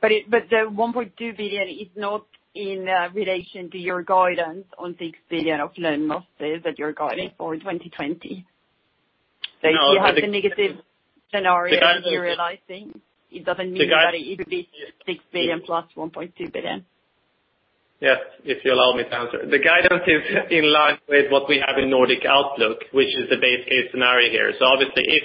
The 1.2 billion is not in relation to your guidance on 6 billion of loan losses that you're guiding for 2020. No. If you have the negative scenario. The guidance. materializing, it doesn't mean that. The guidance. it would be 6 billion plus 1.2 billion. Yes. If you allow me to answer. The guidance is in line with what we have in Nordic Outlook, which is the base case scenario here. Obviously, if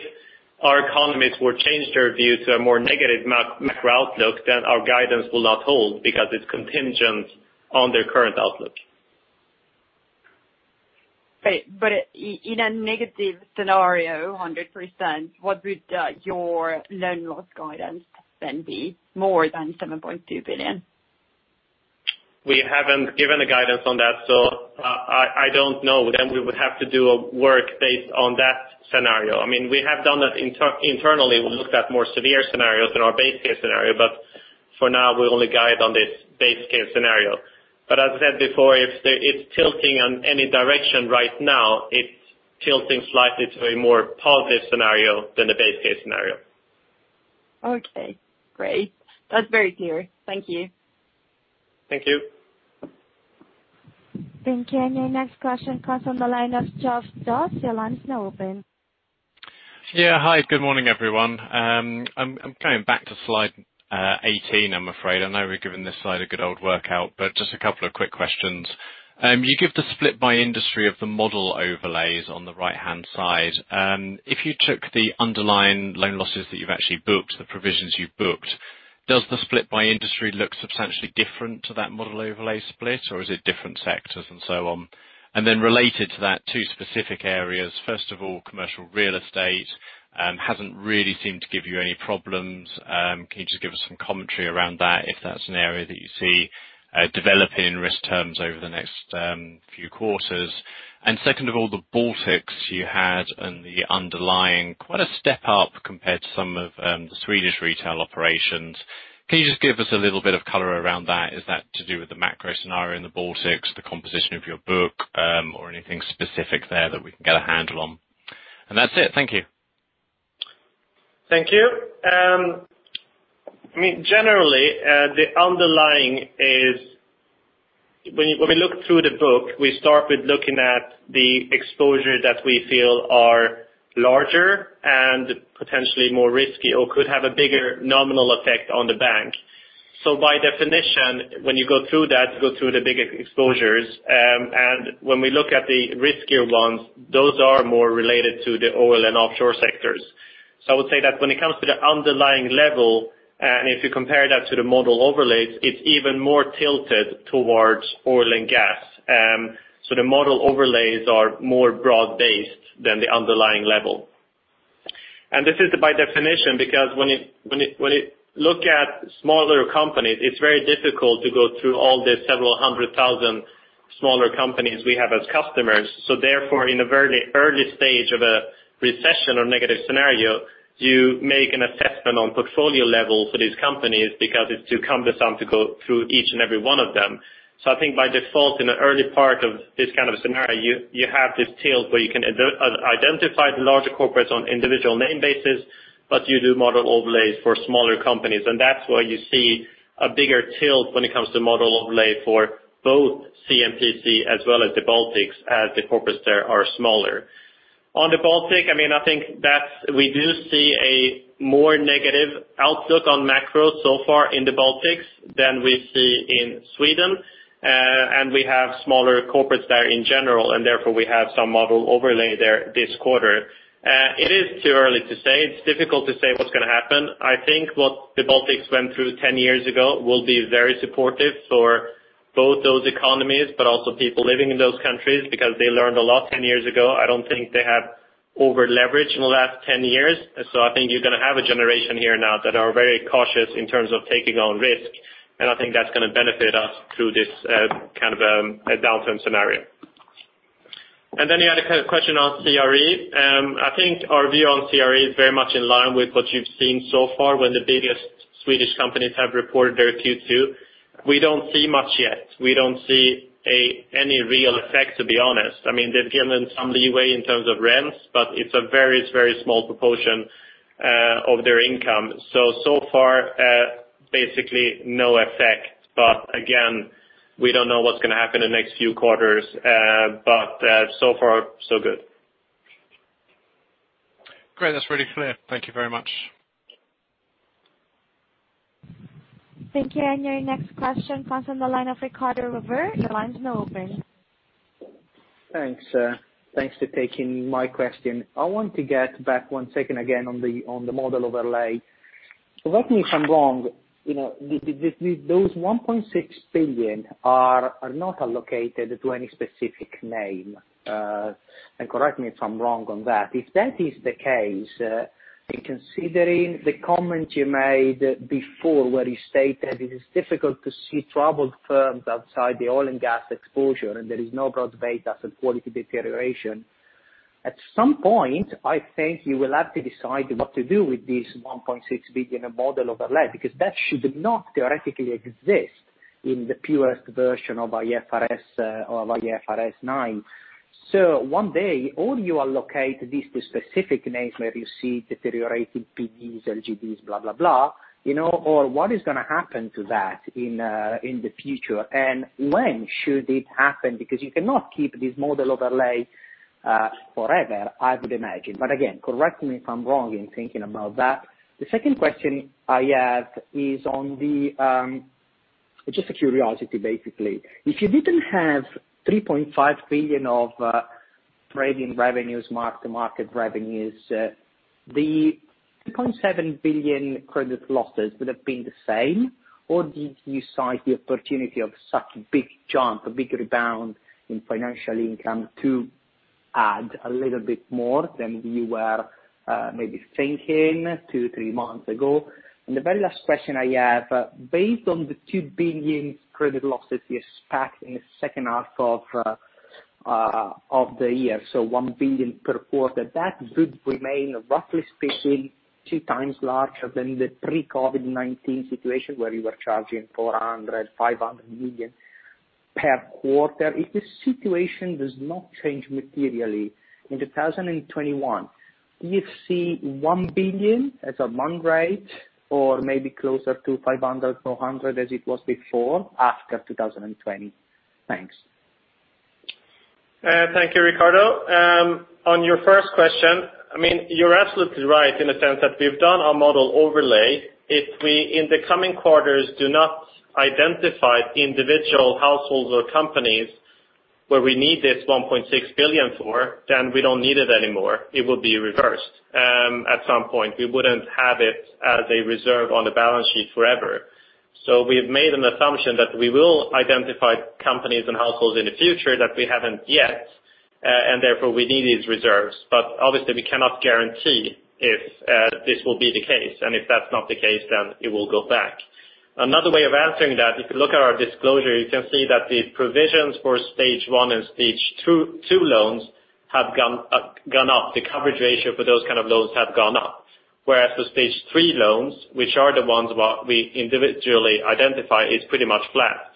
our economists were change their view to a more negative macro outlook, then our guidance will not hold because it's contingent on their current outlook. In a negative scenario, 100%, what would your loan loss guidance then be? More than 7.2 billion? We haven't given a guidance on that, so I don't know. We would have to do a work based on that scenario. We have done that internally. We looked at more severe scenarios than our base case scenario. For now, we only guide on this base case scenario. As I said before, if it's tilting on any direction right now, it's tilting slightly to a more positive scenario than the base case scenario. Okay, great. That's very clear. Thank you. Thank you. Thank you. Your next question comes from the line of Josh Doss. Your line is now open. Yeah. Hi, good morning, everyone. I'm coming back to slide 18, I'm afraid. I know we've given this slide a good old workout, just a couple of quick questions. You give the split by industry of the model overlays on the right-hand side. If you took the underlying loan losses that you've actually booked, the provisions you've booked, does the split by industry look substantially different to that model overlay split, or is it different sectors and so on? Related to that, two specific areas. First of all, commercial real estate, hasn't really seemed to give you any problems. Can you just give us some commentary around that, if that's an area that you see developing risk terms over the next few quarters? Second of all, the Baltics you had and the underlying, quite a step up compared to some of the Swedish retail operations. Can you just give us a little bit of color around that? Is that to do with the macro scenario in the Baltics, the composition of your book, or anything specific there that we can get a handle on? That's it. Thank you. Thank you. Generally, the underlying is. When we look through the book, we start with looking at the exposure that we feel are larger and potentially more risky or could have a bigger nominal effect on the bank. By definition, when you go through that, you go through the bigger exposures. When we look at the riskier ones, those are more related to the oil and offshore sectors. I would say that when it comes to the underlying level, and if you compare that to the model overlays, it's even more tilted towards oil and gas. The model overlays are more broad-based than the underlying level. This is by definition, because when you look at smaller companies, it's very difficult to go through all the several hundred thousand smaller companies we have as customers. Therefore, in the very early stage of a recession or negative scenario, you make an assessment on portfolio level for these companies because it's too cumbersome to go through each and every one of them. I think by default, in the early part of this kind of a scenario, you have this tilt where you can identify the larger corporates on individual name basis, but you do model overlays for smaller companies. That's why you see a bigger tilt when it comes to model overlay for both C&PC as well as the Baltics, as the corporates there are smaller. On the Baltic, I think that we do see a more negative outlook on macro so far in the Baltics than we see in Sweden. We have smaller corporates there in general, and therefore, we have some model overlay there this quarter. It is too early to say. It's difficult to say what's going to happen. I think what the Baltics went through 10 years ago will be very supportive for both those economies, but also people living in those countries because they learned a lot 10 years ago. I don't think they have over-leveraged in the last 10 years. I think you're going to have a generation here now that are very cautious in terms of taking on risk, and I think that's going to benefit us through this kind of a downturn scenario. You had a question on CRE. I think our view on CRE is very much in line with what you've seen so far when the biggest Swedish companies have reported their Q2. We don't see much yet. We don't see any real effect, to be honest. They've given some leeway in terms of rents. It's a very small proportion of their income. So far basically no effect. Again, we don't know what's going to happen in the next few quarters. So far, so good. Great. That's really clear. Thank you very much. Thank you. Your next question comes from the line of Riccardo Rovere. Your line's now open. Thanks for taking my question. I want to get back one second again on the model overlay. Correct me if I'm wrong, those 1.6 billion are not allocated to any specific name. Correct me if I'm wrong on that. If that is the case, in considering the comment you made before where you stated it is difficult to see troubled firms outside the oil and gas exposure, and there is no broad-based asset quality deterioration. At some point, I think you will have to decide what to do with this 1.6 billion model overlay, because that should not theoretically exist in the purest version of IFRS 9. One day, or you allocate this to specific names where you see deteriorated PDs, LGDs. What is going to happen to that in the future? When should it happen? You cannot keep this model overlay forever, I would imagine. Again, correct me if I'm wrong in thinking about that. The second question I have is just a curiosity, basically. If you didn't have 3.5 billion of trading revenues, mark-to-market revenues, the 2.7 billion credit losses would have been the same? Did you seize the opportunity of such a big jump, a big rebound in financial income to add a little bit more than you were maybe thinking two, three months ago? The very last question I have, based on the 2 billion credit losses you expect in the second half of the year, so 1 billion per quarter, that would remain, roughly speaking, two times larger than the pre-COVID-19 situation where you were charging 400 million-500 million per quarter. If the situation does not change materially in 2021, do you see 1 billion as a run rate or maybe closer to 500, 400 as it was before, after 2020? Thanks. Thank you, Riccardo. On your first question, you're absolutely right in the sense that we've done our model overlay. If we, in the coming quarters, do not identify individual households or companies where we need this 1.6 billion for, then we don't need it anymore. It would be reversed at some point. We wouldn't have it as a reserve on the balance sheet forever. We've made an assumption that we will identify companies and households in the future that we haven't yet, and therefore we need these reserves. Obviously we cannot guarantee if this will be the case, and if that's not the case, then it will go back. Another way of answering that, if you look at our disclosure, you can see that the provisions for stage 1 and stage 2 loans have gone up. The coverage ratio for those kind of loans have gone up. Whereas the stage 3 loans, which are the ones what we individually identify, is pretty much flat.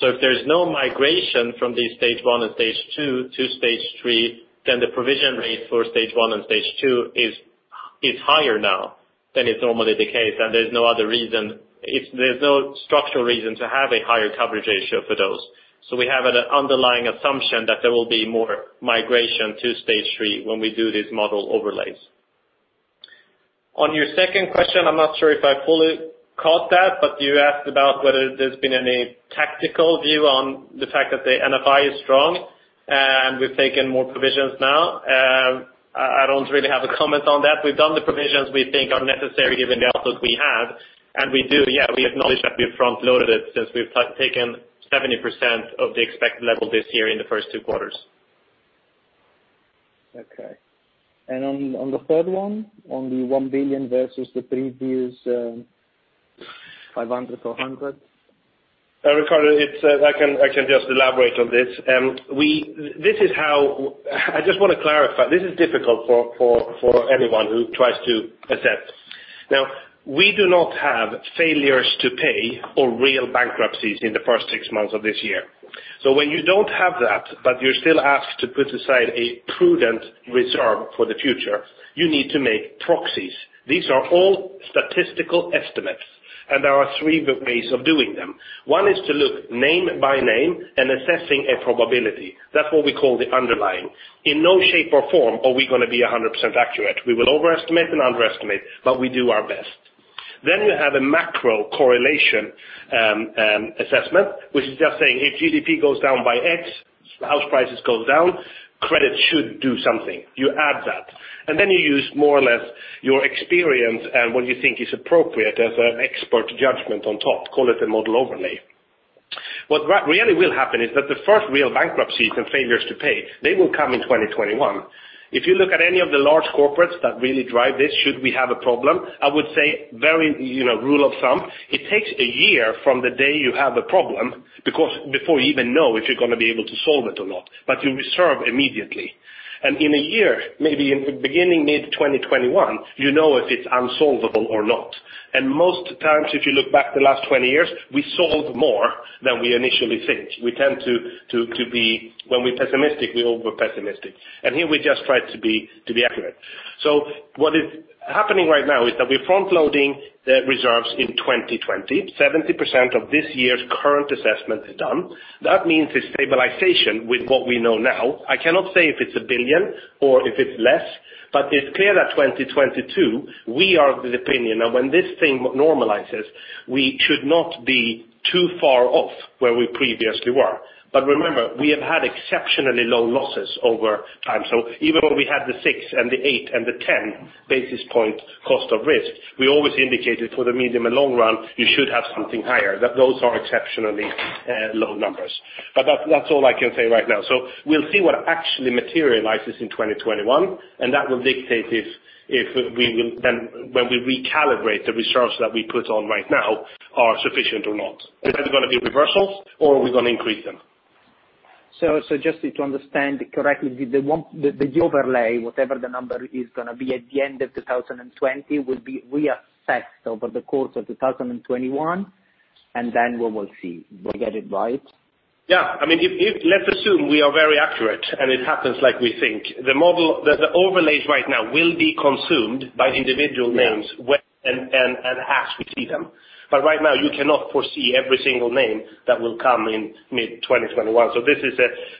If there's no migration from the stage 1 and stage 2 to stage 3, then the provision rate for stage 1 and stage 2 is higher now than is normally the case, and there's no structural reason to have a higher coverage ratio for those. On your second question, I'm not sure if I fully caught that, but you asked about whether there's been any tactical view on the fact that the NFI is strong, and we've taken more provisions now. I don't really have a comment on that. We've done the provisions we think are necessary given the outlook we have, and we do, yeah, we acknowledge that we've front-loaded it since we've taken 70% of the expected level this year in the first two quarters. Okay. On the third one, on the 1 billion versus the previous 500, 400? Riccardo, I can just elaborate on this. I just want to clarify, this is difficult for anyone who tries to assess. We do not have failures to pay or real bankruptcies in the first six months of this year. When you don't have that, but you're still asked to put aside a prudent reserve for the future, you need to make proxies. These are all statistical estimates. There are three ways of doing them. One is to look name by name and assessing a probability. That's what we call the underlying. In no shape or form are we going to be 100% accurate. We will overestimate and underestimate, but we do our best. We have a macro correlation assessment, which is just saying, if GDP goes down by X, house prices go down, credit should do something. You add that. You use more or less your experience and what you think is appropriate as an expert judgment on top, call it a model overlay. What really will happen is that the first real bankruptcies and failures to pay, they will come in 2021. If you look at any of the large corporates that really drive this, should we have a problem, I would say very rule of thumb, it takes one year from the day you have a problem, before you even know if you're going to be able to solve it or not. You reserve immediately. In one year, maybe in beginning mid-2021, you know if it's unsolvable or not. Most times, if you look back the last 20 years, we solve more than we initially think. We tend to be, when we're pessimistic, we over-pessimistic. Here we just try to be accurate. What is happening right now is that we're front-loading the reserves in 2020. 70% of this year's current assessment is done. That means a stabilization with what we know now. I cannot say if it's a billion or if it's less. It's clear that 2022, we are of the opinion that when this thing normalizes, we should not be too far off where we previously were. Remember, we have had exceptionally low losses over time. Even when we had the six and the eight and the 10 basis point cost of risk, we always indicated for the medium and long run, you should have something higher, that those are exceptionally low numbers. That's all I can say right now. We'll see what actually materializes in 2021, and that will dictate if when we recalibrate the reserves that we put on right now are sufficient or not. Is this going to be reversals or are we going to increase them? Just to understand correctly, the overlay, whatever the number is going to be at the end of 2020, will be reassessed over the course of 2021, and then we will see. Did I get it right? Yeah. Let's assume we are very accurate and it happens like we think. The overlays right now will be consumed by individual names. Yeah As we see them. Right now, you cannot foresee every single name that will come in mid-2021.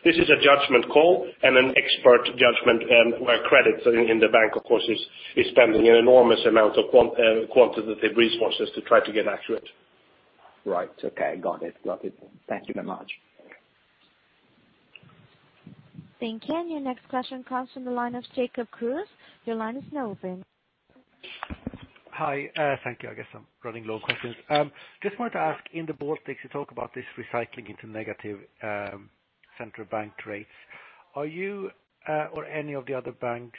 This is a judgment call and an expert judgment, where credits in the bank, of course, is spending an enormous amount of quantitative resources to try to get accurate. Right. Okay. Got it. Thank you very much. Thank you. Your next question comes from the line of Jacob Kruse. Your line is now open. Hi. Thank you. I guess I'm running low on questions. Just wanted to ask, in the Baltics, you talk about this recycling into negative central bank rates. Are you or any of the other banks,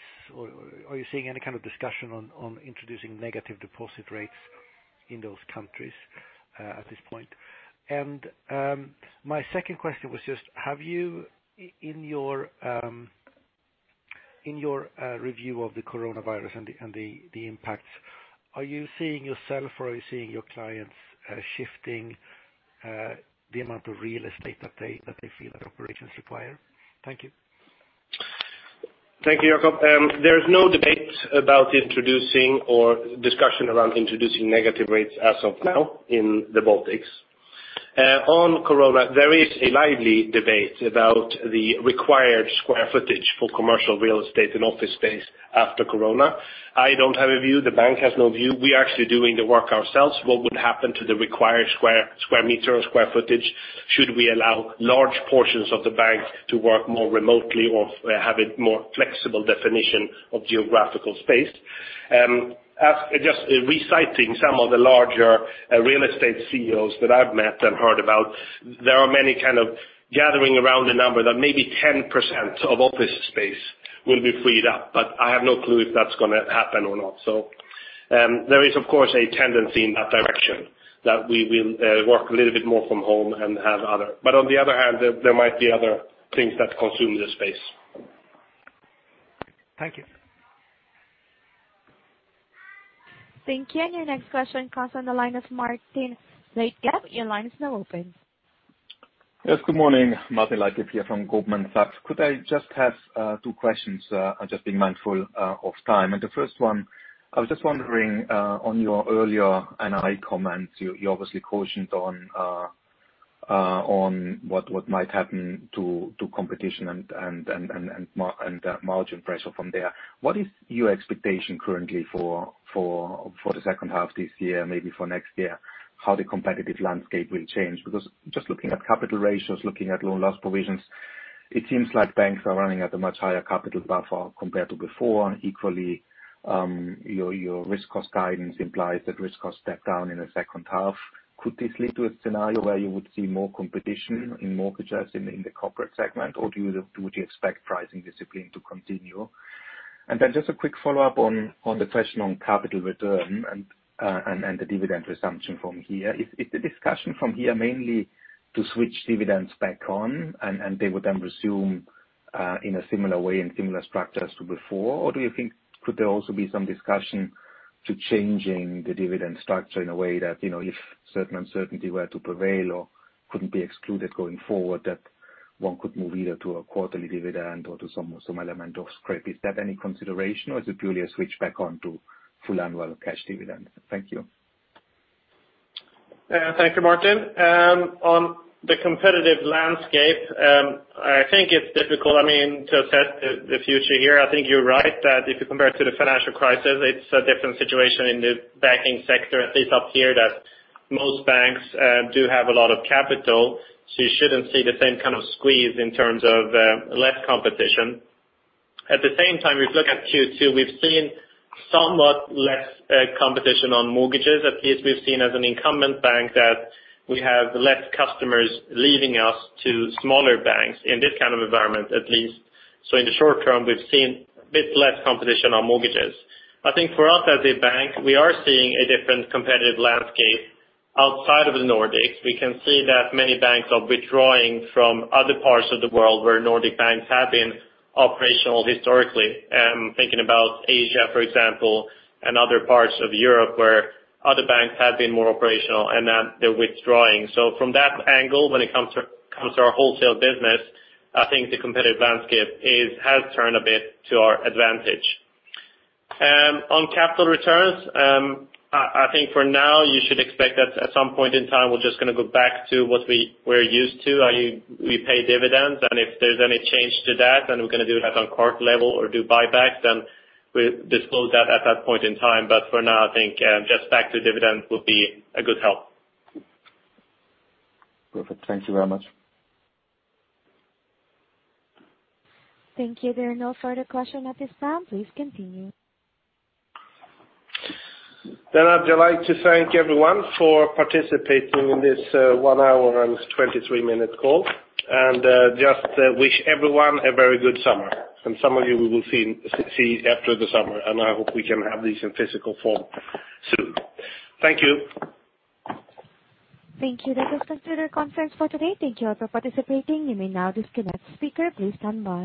are you seeing any kind of discussion on introducing negative deposit rates in those countries at this point? My second question was just, in your review of the coronavirus and the impacts, are you seeing yourself or are you seeing your clients shifting the amount of real estate that they feel their operations require? Thank you. Thank you, Jacob. There is no debate about introducing or discussion around introducing negative rates as of now in the Baltics. On corona, there is a lively debate about the required square footage for commercial real estate and office space after corona. I don't have a view. The bank has no view. We are actually doing the work ourselves. What would happen to the required square meter or square footage should we allow large portions of the bank to work more remotely or have a more flexible definition of geographical space? Just reciting some of the larger real estate CEOs that I've met and heard about, there are many kind of gathering around the number that maybe 10% of office space will be freed up. I have no clue if that's going to happen or not. There is, of course, a tendency in that direction that we will work a little bit more from home. On the other hand, there might be other things that consume the space. Thank you. Thank you. Your next question comes on the line of Martin Leitgeb. Your line is now open. Yes. Good morning. Martin Leitgeb here from Goldman Sachs. Could I just have two questions? I'm just being mindful of time. The first one, I was just wondering on your earlier NI comments, you obviously cautioned on what might happen to competition and margin pressure from there. What is your expectation currently for the second half this year, maybe for next year, how the competitive landscape will change? Just looking at capital ratios, looking at loan loss provisions, it seems like banks are running at a much higher capital buffer compared to before, and equally your risk cost guidance implies that risk cost step down in the second half. Could this lead to a scenario where you would see more competition in mortgages in the corporate segment, or do you expect pricing discipline to continue? Just a quick follow-up on the question on capital return and the dividend resumption from here. Is the discussion from here mainly to switch dividends back on, and they would then resume in a similar way and similar structure as to before? Do you think could there also be some discussion to changing the dividend structure in a way that if certain uncertainty were to prevail or couldn't be excluded going forward, that one could move either to a quarterly dividend or to some element of scrape. Is that any consideration or is it purely a switch back on to full annual cash dividend? Thank you. Thank you, Martin. The competitive landscape, I think it's difficult to assess the future here. I think you're right that if you compare to the financial crisis, it's a different situation in the banking sector, at least up here, that most banks do have a lot of capital. You shouldn't see the same kind of squeeze in terms of less competition. At the same time, if you look at Q2, we've seen somewhat less competition on mortgages. At least we've seen as an incumbent bank that we have less customers leaving us to smaller banks in this kind of environment, at least. In the short term, we've seen a bit less competition on mortgages. I think for us as a bank, we are seeing a different competitive landscape outside of the Nordics. We can see that many banks are withdrawing from other parts of the world where Nordic banks have been operational historically. I'm thinking about Asia, for example, and other parts of Europe where other banks have been more operational and now they're withdrawing. From that angle, when it comes to our wholesale business, I think the competitive landscape has turned a bit to our advantage. On capital returns, I think for now, you should expect that at some point in time, we're just going to go back to what we were used to, i.e., we pay dividends, and if there's any change to that, then we're going to do that on corp level or do buybacks, then we disclose that at that point in time. For now, I think just back to dividends would be a good help. Perfect. Thank you very much. Thank you. There are no further questions at this time. Please continue. I'd like to thank everyone for participating in this one hour and 23-minute call, and just wish everyone a very good summer. Some of you we will see after the summer, and I hope we can have these in physical form soon. Thank you. Thank you. That does conclude our conference for today. Thank you all for participating. You may now disconnect. Speaker, please stand by.